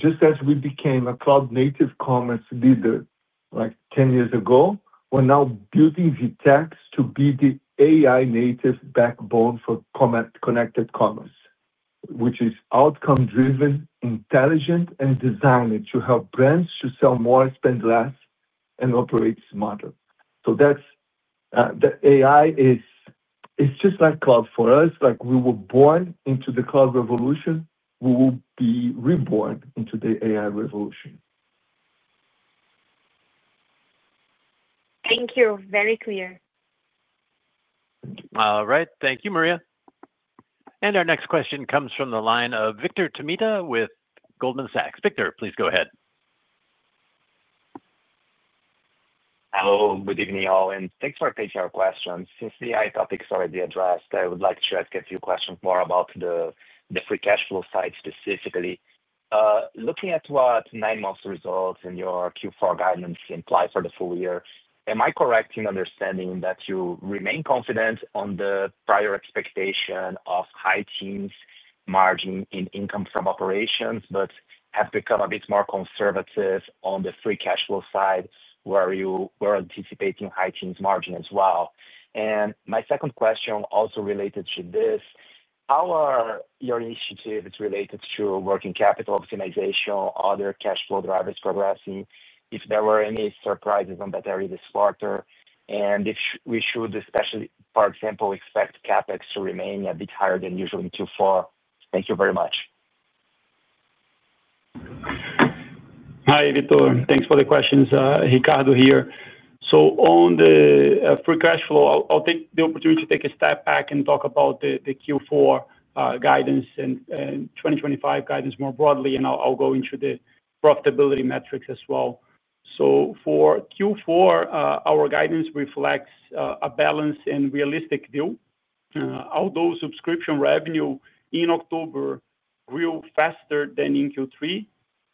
Just as we became a cloud-native commerce leader like 10 years ago, we're now building VTEX to be the AI-native backbone for connected commerce, which is outcome-driven, intelligent, and designed to help brands to sell more, spend less, and operate smarter. The AI is just like cloud for us. We were born into the cloud revolution. We will be reborn into the AI revolution. Thank you. Very clear. All right. Thank you, Maria. Our next question comes from the line of Vitor Tomita with Goldman Sachs. Victor, please go ahead. Hello. Good evening, y'all. Thanks for taking our questions. Since the AI topics are already addressed, I would like to ask a few questions more about the free cash flow side specifically. Looking at what nine-month results and your Q4 guidance imply for the full year, am I correct in understanding that you remain confident on the prior expectation of high-teens' margin in income from operations, but have become a bit more conservative on the free cash flow side where you were anticipating high-teens' margin as well? My second question also related to this. How are your initiatives related to working capital optimization, other cash flow drivers progressing? If there were any surprises on that area this quarter, and if we should, especially, for example, expect CapEx to remain a bit higher than usual in Q4? Thank you very much. Hi, Vitor. Thanks for the questions. Ricardo here. So on the free cash flow, I'll take the opportunity to take a step back and talk about the Q4 guidance and 2025 guidance more broadly, and I'll go into the profitability metrics as well. For Q4, our guidance reflects a balanced and realistic view. Although subscription revenue in October grew faster than in Q3,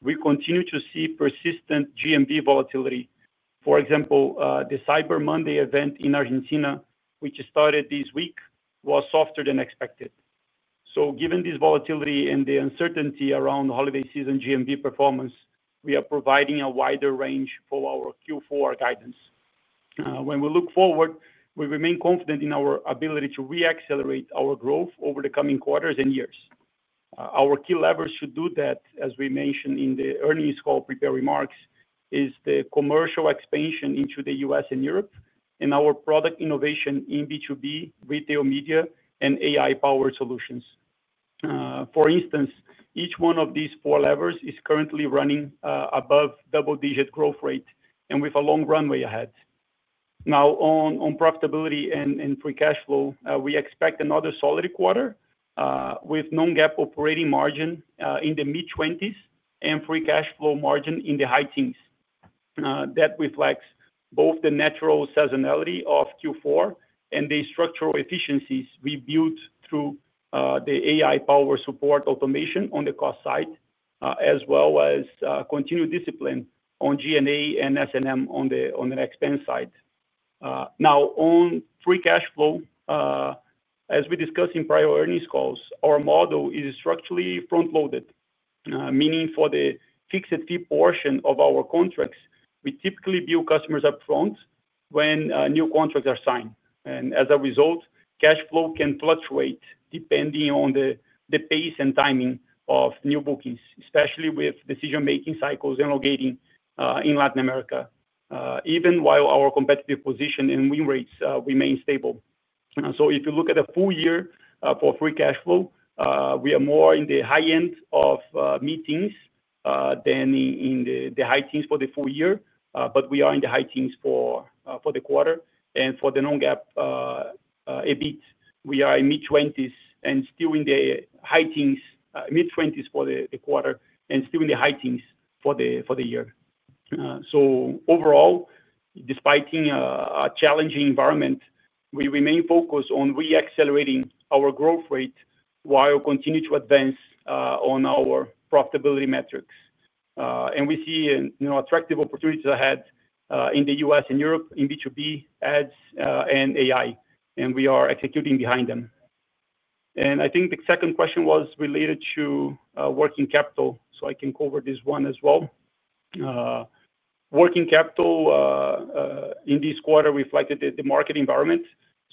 we continue to see persistent GMV volatility. For example, the Cyber Monday event in Argentina, which started this week, was softer than expected. Given this volatility and the uncertainty around the holiday season GMV performance, we are providing a wider range for our Q4 guidance. When we look forward, we remain confident in our ability to re-accelerate our growth over the coming quarters and years. Our key levers to do that, as we mentioned in the earnings call prepared remarks, is the commercial expansion into the U.S. and Europe and our product innovation in B2B, Retail Media, and AI-powered solutions. For instance, each one of these four levers is currently running above double-digit growth rate and with a long runway ahead. Now, on profitability and free cash flow, we expect another solid quarter with non-GAAP operating margin in the mid-20% and free cash flow margin in the high teens. That reflects both the natural seasonality of Q4 and the structural efficiencies we built through. The AI-powered support automation on the cost side, as well as continued discipline on G&A and S&M on the expense side. Now, on free cash flow. As we discussed in prior earnings calls, our model is structurally front-loaded, meaning for the fixed fee portion of our contracts, we typically bill customers upfront when new contracts are signed. As a result, cash flow can fluctuate depending on the pace and timing of new bookings, especially with decision-making cycles and locating in Latin America, even while our competitive position and win rates remain stable. If you look at the full year for free cash flow, we are more in the high-end of mid-teens than in the high teens for the full year, but we are in the high teens for the quarter. For the non-GAAP EBIT, we are in mid-20s and still in the high teens, mid-20s for the quarter, and still in the high teens for the year. Overall. Despite a challenging environment, we remain focused on re-accelerating our growth rate while continuing to advance on our profitability metrics. We see attractive opportunities ahead in the U.S. and Europe in B2B, Ads, and AI, and we are executing behind them. I think the second question was related to working capital, so I can cover this one as well. Working capital in this quarter reflected the market environment.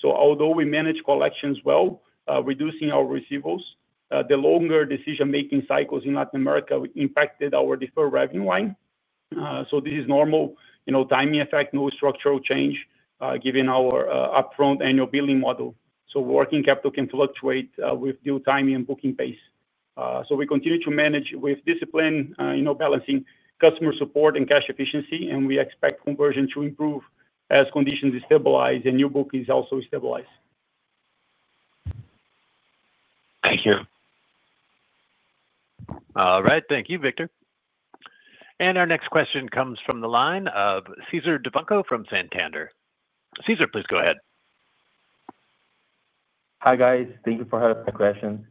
Although we manage collections well, reducing our receivables, the longer decision-making cycles in Latin America impacted our deferred revenue line. This is a normal timing effect, no structural change given our upfront annual billing model. Working capital can fluctuate with due timing and booking pace. We continue to manage with discipline, balancing customer support and cash efficiency, and we expect conversion to improve as conditions stabilize and new bookings also stabilize. Thank you. All right. Thank you, Vitor. Our next question comes from the line of César Davanço from Santander. César, please go ahead. Hi guys. Thank you for having my questions.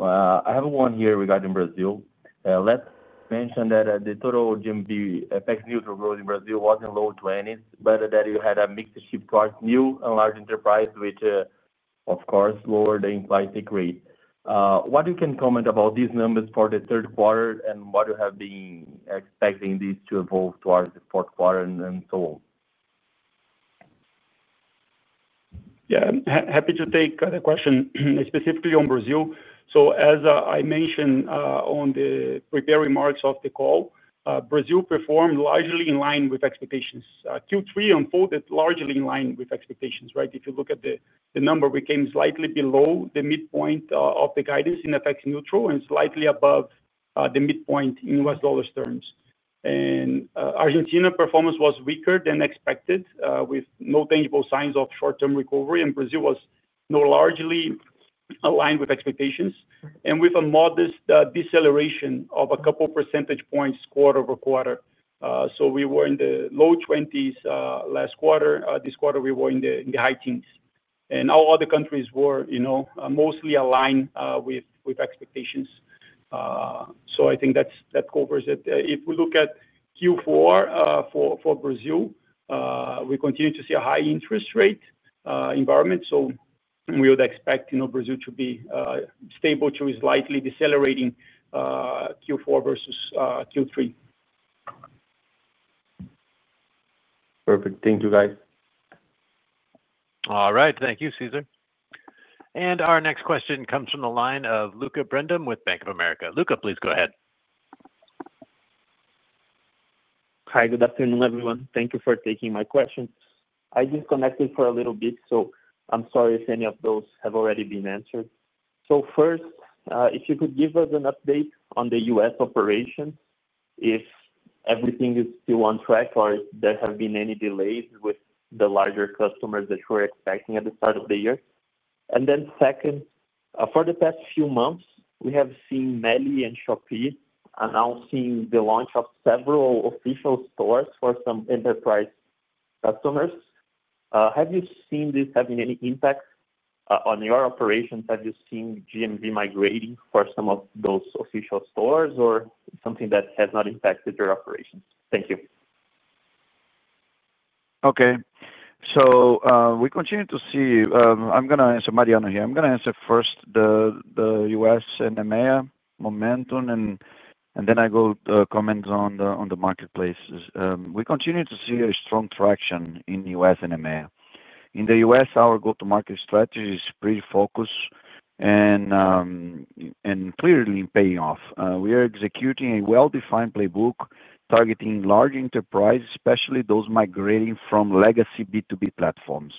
I have one here regarding Brazil. Let's mention that the total GMV FX neutral growth in Brazil was not low to anything, but that you had a mix shift towards new and large enterprise, which, of course, lowered the implied take rate. What can you comment about these numbers for the third quarter and what you have been expecting this to evolve towards the fourth quarter and so on? Yeah. Happy to take the question specifically on Brazil. As I mentioned on the prepared remarks of the call, Brazil performed largely in line with expectations. Q3 unfolded largely in line with expectations, right? If you look at the number, we came slightly below the midpoint of the guidance in FX-neutral and slightly above the midpoint in U.S. dollars terms. Argentina's performance was weaker than expected with no tangible signs of short-term recovery, and Brazil was largely aligned with expectations and with a modest deceleration of a couple percentage points quarter-over-quarter. We were in the low 20s last quarter. This quarter, we were in the high teens. All other countries were mostly aligned with expectations. I think that covers it. If we look at Q4 for Brazil, we continue to see a high interest rate environment. We would expect Brazil to be stable to a slightly decelerating Q4 versus Q3. Perfect. Thank you, guys. All right. Thank you, César. Our next question comes from the line of Lucca Brendim with Bank of America. Luca, please go ahead. Hi. Good afternoon, everyone. Thank you for taking my questions. I disconnected for a little bit, so I'm sorry if any of those have already been answered. First, if you could give us an update on the U.S. operations, if everything is still on track or if there have been any delays with the larger customers that we were expecting at the start of the year. Second, for the past few months, we have seen MELI and Shopee announcing the launch of several official stores for some enterprise customers. Have you seen this having any impact on your operations? Have you seen GMV migrating for some of those official stores or is it something that has not impacted your operations? Thank you. Okay. We continue to see, I'm going to answer, Mariano here. I'm going to answer first the U.S. and EMEA momentum, and then I go comments on the marketplace. We continue to see a strong traction in U.S. and EMEA. In the U.S., our go-to-market strategy is pretty focused and clearly paying off. We are executing a well-defined playbook targeting large enterprises, especially those migrating from legacy B2B platforms.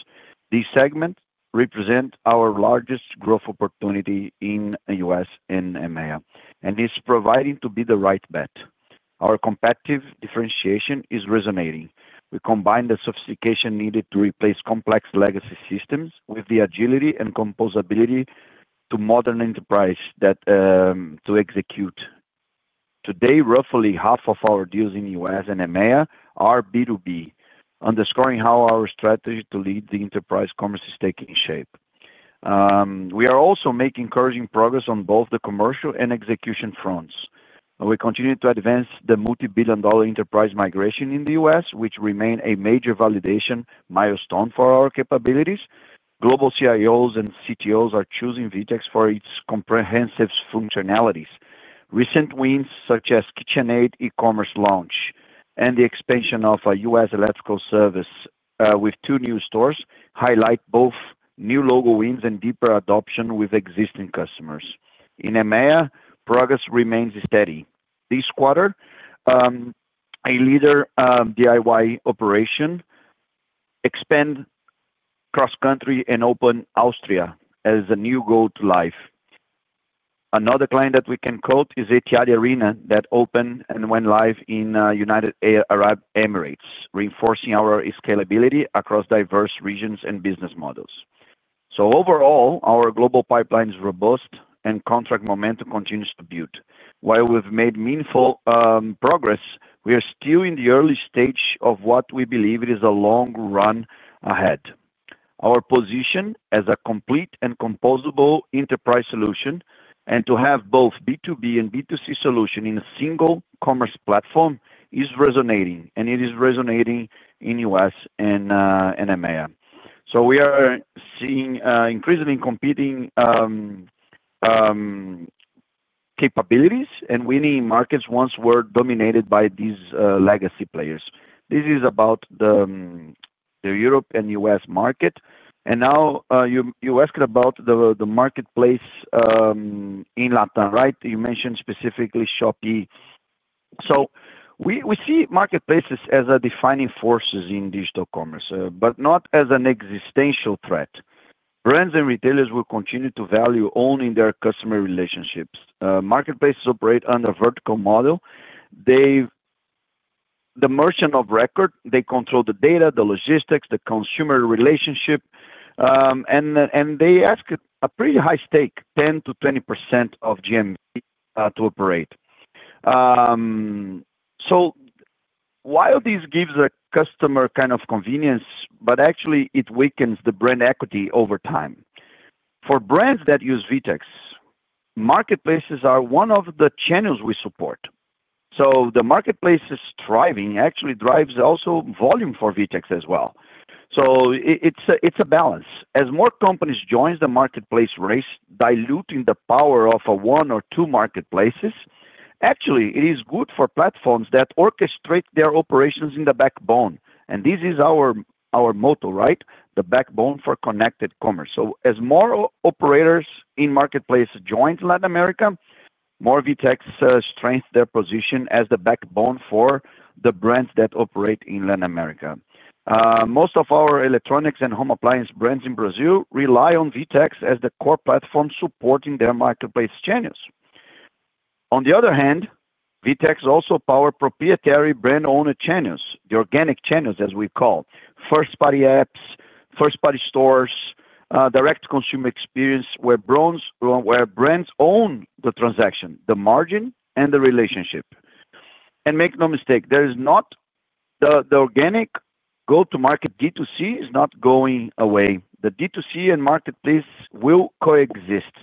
This segment represents our largest growth opportunity in U.S. and EMEA, and this is providing to be the right bet. Our competitive differentiation is resonating. We combine the sophistication needed to replace complex legacy systems with the agility and composability to modern enterprise. To execute. Today, roughly half of our deals in U.S. and EMEA are B2B, underscoring how our strategy to lead the enterprise commerce is taking shape. We are also making encouraging progress on both the commercial and execution fronts. We continue to advance the multi-billion dollar enterprise migration in the U.S., which remains a major validation milestone for our capabilities. Global CIOs and CTOs are choosing VTEX for its comprehensive functionalities. Recent wins, such as KitchenAid e-commerce launch and the expansion of a U.S. Electrical Services with two new stores, highlight both new logo wins and deeper adoption with existing customers. In EMEA, progress remains steady. This quarter, a leader DIY operation expanded cross-country and opened Austria as a new go-to-live. Another client that we can quote is Etihad Arena that opened and went live in the United Arab Emirates, reinforcing our scalability across diverse regions and business models. Overall, our global pipeline is robust, and contract momentum continues to build. While we've made meaningful progress, we are still in the early stage of what we believe is a long run ahead. Our position as a complete and composable enterprise solution and to have both B2B and B2C solutions in a single commerce platform is resonating, and it is resonating in the U.S. and EMEA. We are seeing increasingly competing capabilities and winning markets once were dominated by these legacy players. This is about the Europe and U.S. market. Now, you asked about the marketplace in LATAM, right? You mentioned specifically Shopee. We see marketplaces as defining forces in digital commerce, but not as an existential threat. Brands and retailers will continue to value owning their customer relationships. Marketplaces operate under a vertical model. The merchant of record, they control the data, the logistics, the consumer relationship. They ask a pretty high stake, 10%-20% of GMV to operate. While this gives a customer kind of convenience, actually, it weakens the brand equity over time. For brands that use VTEX, marketplaces are one of the channels we support. The marketplace is thriving, actually drives also volume for VTEX as well. It is a balance. As more companies join the marketplace race, diluting the power of one or two marketplaces, actually, it is good for platforms that orchestrate their operations in the backbone. This is our motto, right? The backbone for connected commerce. As more operators in marketplaces join Latin America, more VTEX strengthens their position as the backbone for the brands that operate in Latin America. Most of our electronics and home appliance brands in Brazil rely on VTEX as the core platform supporting their marketplace channels. On the other hand, VTEX also powers proprietary brand-owner channels, the organic channels, as we call, first-party apps, first-party stores, direct consumer experience where brands own the transaction, the margin, and the relationship. Make no mistake, there is not. The organic go-to-market D2C is not going away. The D2C and marketplace will coexist.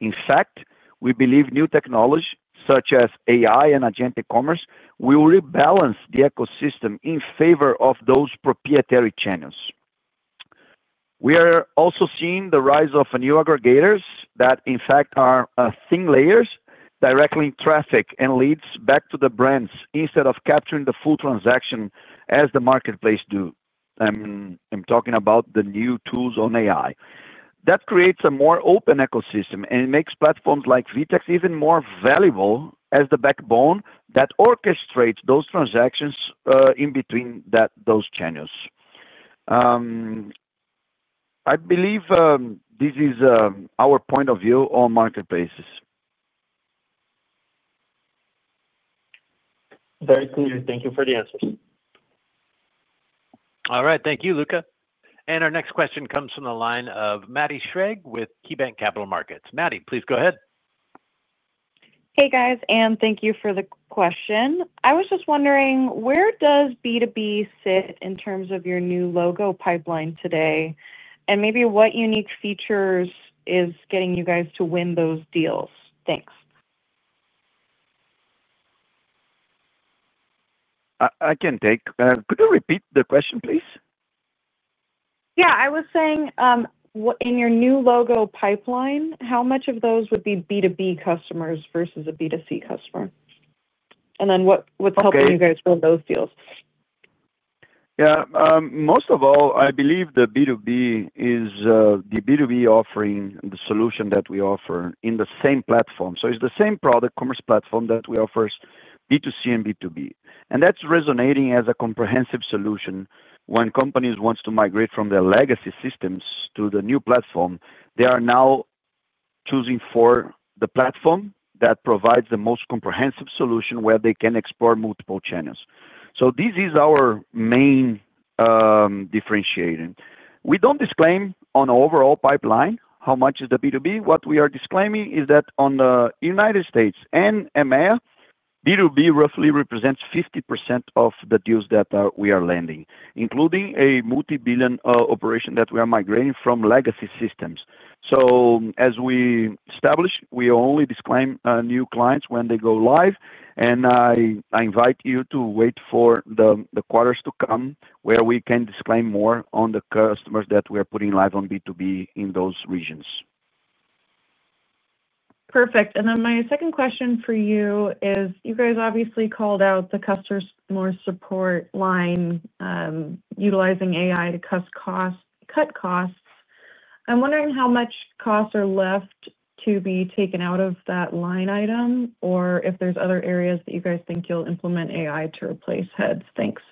In fact, we believe new technologies such as AI and Agentic Commerce will rebalance the ecosystem in favor of those proprietary channels. We are also seeing the rise of new aggregators that, in fact, are thin layers directly in traffic and leads back to the brands instead of capturing the full transaction as the marketplace do. I'm talking about the new tools on AI. That creates a more open ecosystem and makes platforms like VTEX even more valuable as the backbone that orchestrates those transactions in between those channels. I believe this is our point of view on marketplaces. Very clear. Thank you for the answers. All right. Thank you, Luca. Our next question comes from the line of Maddie Schrage with KeyBanc Capital Markets. Maddie, please go ahead. Hey, guys. Thank you for the question. I was just wondering, where does B2B sit in terms of your new logo pipeline today? Maybe what unique features is getting you guys to win those deals? Thanks. I can take. Could you repeat the question, please? Yeah. I was saying, in your new logo pipeline, how much of those would be B2B customers versus a B2C customer? Then what's helping you guys win those deals? Yeah. Most of all, I believe the B2B is the B2B offering, the solution that we offer in the same platform. It is the same product commerce platform that we offer B2C and B2B, and that is resonating as a comprehensive solution when companies want to migrate from their legacy systems to the new platform. They are now. Choosing for the platform that provides the most comprehensive solution where they can explore multiple channels. This is our main differentiator. We do not disclaim on the overall pipeline how much is the B2B. What we are disclaiming is that in the United States and EMEA, B2B roughly represents 50% of the deals that we are landing, including a multi-billion operation that we are migrating from legacy systems. As we establish, we only disclaim new clients when they go live. I invite you to wait for the quarters to come where we can disclaim more on the customers that we are putting live on B2B in those regions. Perfect. My second question for you is, you guys obviously called out the customer support line. Utilizing AI to cut costs. I'm wondering how much costs are left to be taken out of that line item or if there's other areas that you guys think you'll implement AI to replace heads. Thanks.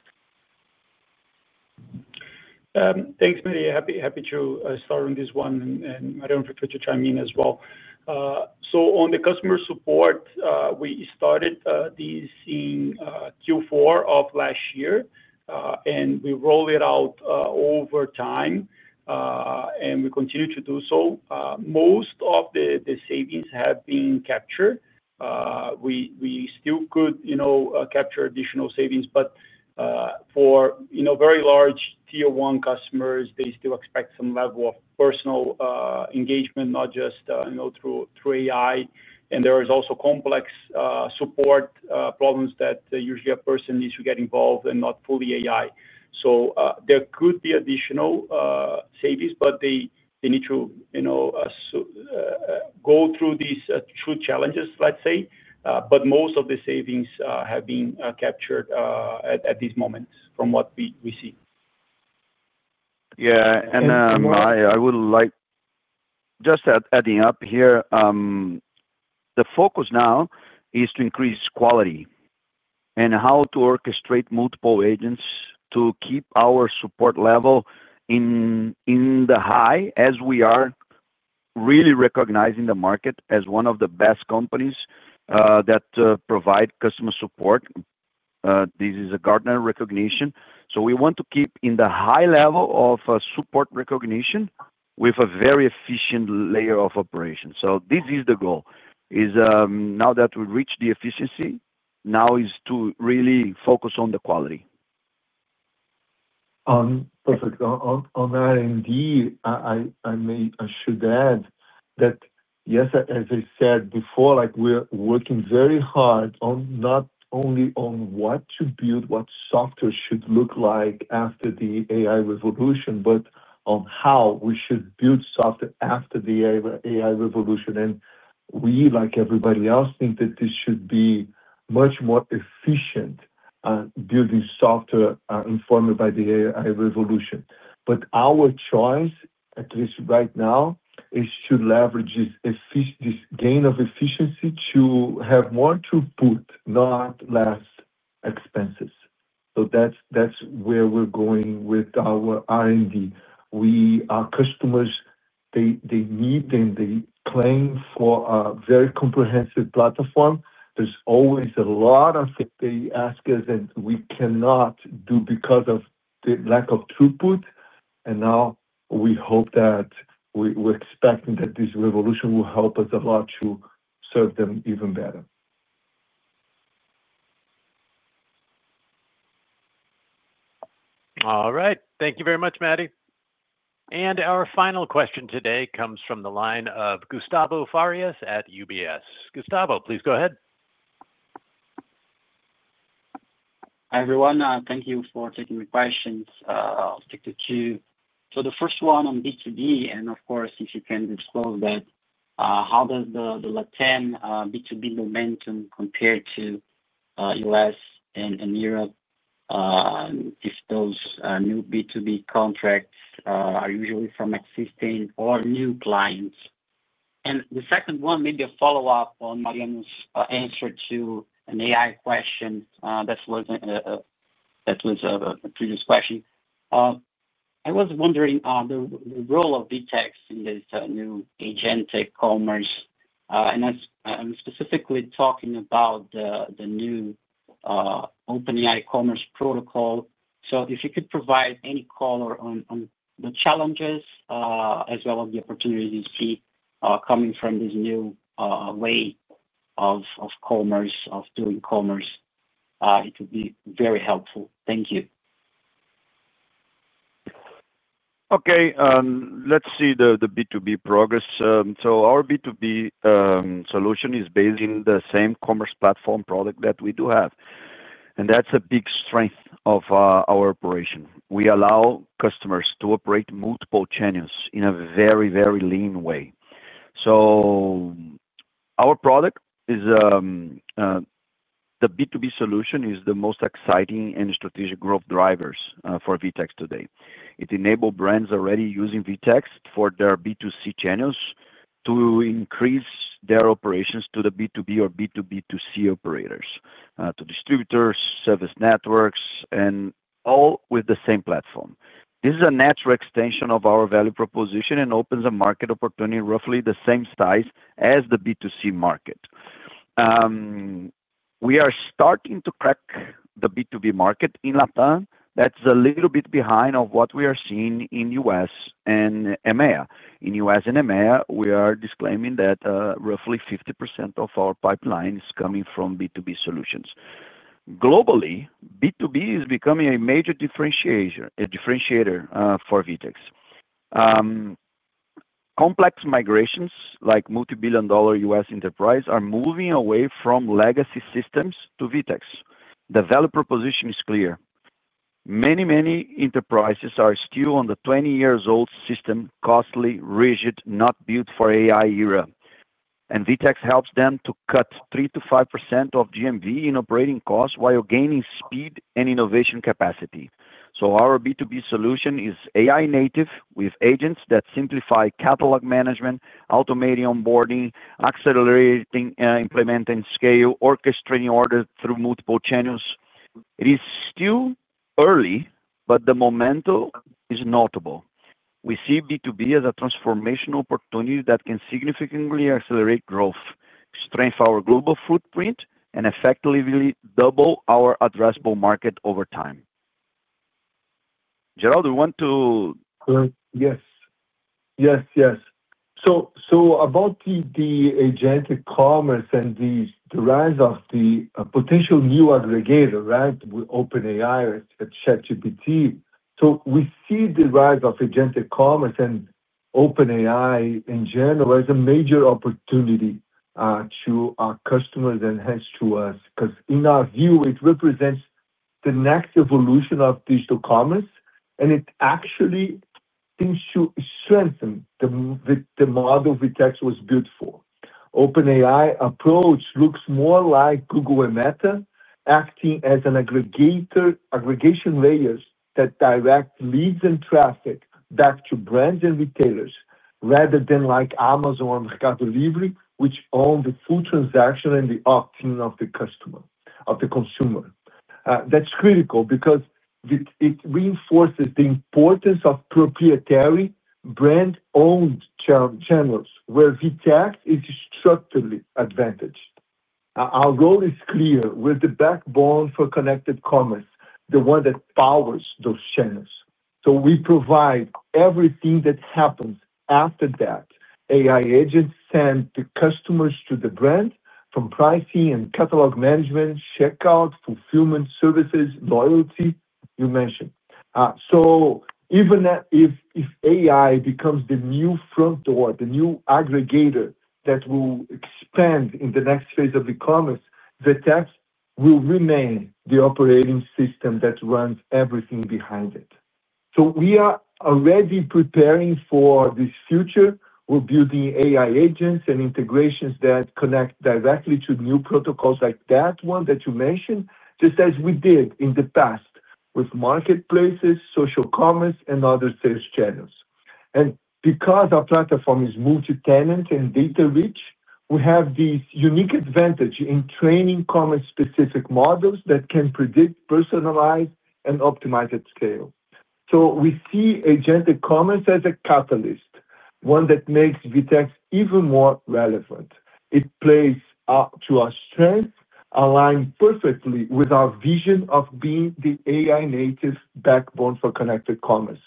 Thanks, Maddie. Happy to start on this one, and Mariano could chime in as well. On the customer support, we started this in Q4 of last year, and we rolled it out over time, and we continue to do so. Most of the savings have been captured. We still could capture additional savings, but for very large Tier 1 customers, they still expect some level of personal engagement, not just through AI. There are also complex support problems that usually a person needs to get involved and not fully AI. There could be additional savings, but they need to go through these true challenges, let's say. Most of the savings have been captured at this moment from what we see. Yeah. I would like, just adding up here, the focus now is to increase quality and how to orchestrate multiple agents to keep our support level as high as we are. Really recognizing the market as one of the best companies that provide customer support. This is a Gartner recognition. We want to keep in the high level of support recognition with a very efficient layer of operations. This is the goal. Now that we reached the efficiency, now is to really focus on the quality. Perfect. On that, indeed, I should add that, yes, as I said before, we're working very hard not only on what to build, what software should look like after the AI revolution, but on how we should build software after the AI revolution. We, like everybody else, think that this should be much more efficient. Building software informed by the AI revolution. Our choice, at least right now, is to leverage this gain of efficiency to have more to put, not less expenses. That is where we are going with our R&D. Our customers need, and they claim for a very comprehensive platform. There is always a lot of, they ask us, and we cannot do because of the lack of throughput. Now we hope that, we are expecting that this revolution will help us a lot to serve them even better. All right. Thank you very much, Maddie. Our final question today comes from the line of Gustavo Farias at UBS. Gustavo, please go ahead. Hi, everyone. Thank you for taking the questions. I will stick to two. The first one on B2B, and of course, if you can disclose that. How does the LATAM B2B momentum compare to U.S. and Europe? If those new B2B contracts are usually from existing or new clients. The second one, maybe a follow-up on Mariano's answer to an AI question that was a previous question. I was wondering the role of VTEX in this new agentic commerce. I'm specifically talking about the new OpenAI commerce protocol. If you could provide any color on the challenges as well as the opportunities you see coming from this new way of commerce, of doing commerce, it would be very helpful. Thank you. Okay. Let's see the B2B progress. Our B2B solution is based in the same commerce platform product that we do have. That's a big strength of our operation. We allow customers to operate multiple channels in a very, very lean way. Our product. The B2B solution is the most exciting and strategic growth drivers for VTEX today. It enabled brands already using VTEX for their B2C channels to increase their operations to the B2B or B2B2C operators, to distributors, service networks, and all with the same platform. This is a natural extension of our value proposition and opens a market opportunity roughly the same size as the B2C market. We are starting to crack the B2B market in LATAM. That's a little bit behind of what we are seeing in the U.S. and EMEA. In the U.S. and EMEA, we are disclaiming that roughly 50% of our pipeline is coming from B2B solutions. Globally, B2B is becoming a major differentiator for VTEX. Complex migrations like multi-billion dollar U.S. enterprise are moving away from legacy systems to VTEX. The value proposition is clear. Many, many enterprises are still on the 20-year-old system, costly, rigid, not built for AI era. VTEX helps them to cut 3%-5% of GMV in operating costs while gaining speed and innovation capacity. Our B2B solution is AI-native with agents that simplify catalog management, automating onboarding, accelerating implementing scale, orchestrating orders through multiple channels. It is still early, but the momentum is notable. We see B2B as a transformational opportunity that can significantly accelerate growth, strengthen our global footprint, and effectively double our addressable market over time. Geraldo, you want to? Yes. Yes, yes. About the Agentic Commerce and the rise of the potential new aggregator, right, with OpenAI or ChatGPT. We see the rise of Agentic Commerce and OpenAI in general as a major opportunity to our customers and hence to us because, in our view, it represents the next evolution of digital commerce. It actually seems to strengthen the model VTEX was built for. The OpenAI approach looks more like Google and Meta acting as aggregation layers that direct leads and traffic back to brands and retailers rather than like Amazon or Mercado Livre, which own the full transaction and the opt-in of the customer, of the consumer. That is critical because it reinforces the importance of proprietary brand-owned channels where VTEX is structurally advantaged. Our role is clear: we are the backbone for connected commerce, the one that powers those channels. We provide everything that happens after those AI agents send the customers to the brand, from pricing and catalog management, checkout, fulfillment services, loyalty you mentioned. Even if AI becomes the new front door, the new aggregator that will expand in the next phase of e-commerce, VTEX will remain the operating system that runs everything behind it. We are already preparing for this future. We're building AI agents and integrations that connect directly to new protocols like that one that you mentioned, just as we did in the past with marketplaces, social commerce, and other sales channels. Because our platform is multi-tenant and data-rich, we have this unique advantage in training commerce-specific models that can predict, personalize, and optimize at scale. We see Agentic Commerce as a catalyst, one that makes VTEX even more relevant. It plays to our strength, aligned perfectly with our vision of being the AI-native backbone for connected commerce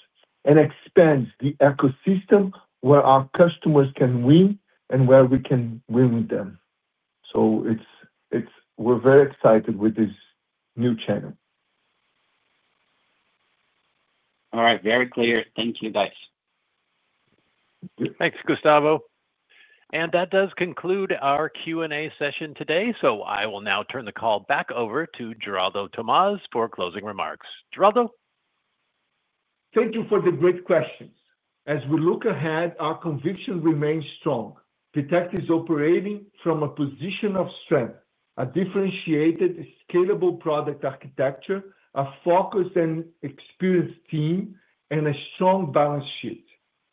and expands the ecosystem where our customers can win and where we can win with them. We're very excited with this new channel. All right. Very clear. Thank you, guys. Thanks, Gustavo. That does conclude our Q&A session today. I will now turn the call back over to Geraldo Thomaz for closing remarks. Geraldo? Thank you for the great questions. As we look ahead, our conviction remains strong. VTEX is operating from a position of strength, a differentiated, scalable product architecture, a focused and experienced team, and a strong balance sheet.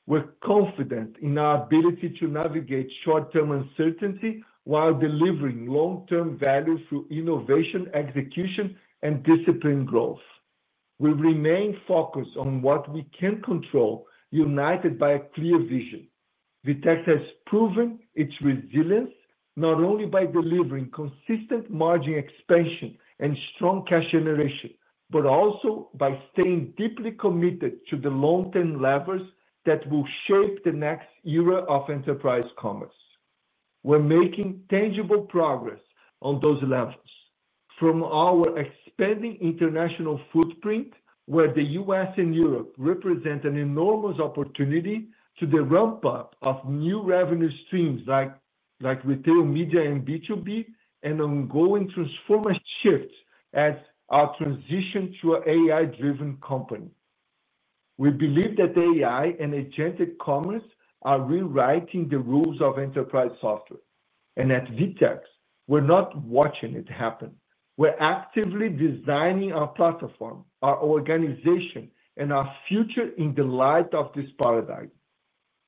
We're confident in our ability to navigate short-term uncertainty while delivering long-term value through innovation, execution, and disciplined growth. We remain focused on what we can control, united by a clear vision. VTEX has proven its resilience not only by delivering consistent margin expansion and strong cash generation, but also by staying deeply committed to the long-term levers that will shape the next era of enterprise commerce. We're making tangible progress on those levels. From our expanding international footprint, where the U.S. and Europe represent an enormous opportunity to the ramp-up of new revenue streams like Retail Media and B2B, and ongoing transformation shifts as our transition to an AI-driven company. We believe that AI and Agentic Commerce are rewriting the rules of enterprise software. At VTEX, we're not watching it happen. We're actively designing our platform, our organization, and our future in the light of this paradigm.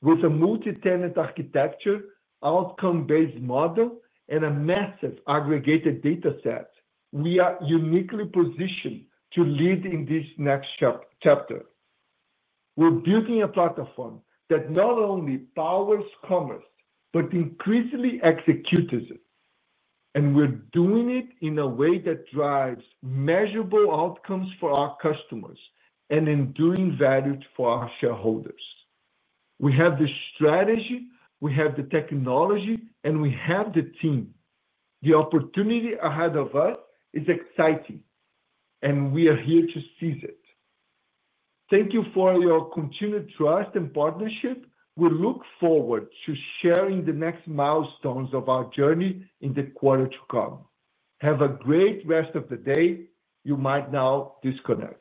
With a multi-tenant architecture, outcome-based model, and a massive aggregated data set, we are uniquely positioned to lead in this next chapter. We're building a platform that not only powers commerce but increasingly executes it. We're doing it in a way that drives measurable outcomes for our customers and enduring value for our shareholders. We have the strategy, we have the technology, and we have the team. The opportunity ahead of us is exciting, and we are here to seize it. Thank you for your continued trust and partnership. We look forward to sharing the next milestones of our journey in the quarter to come. Have a great rest of the day. You may now disconnect.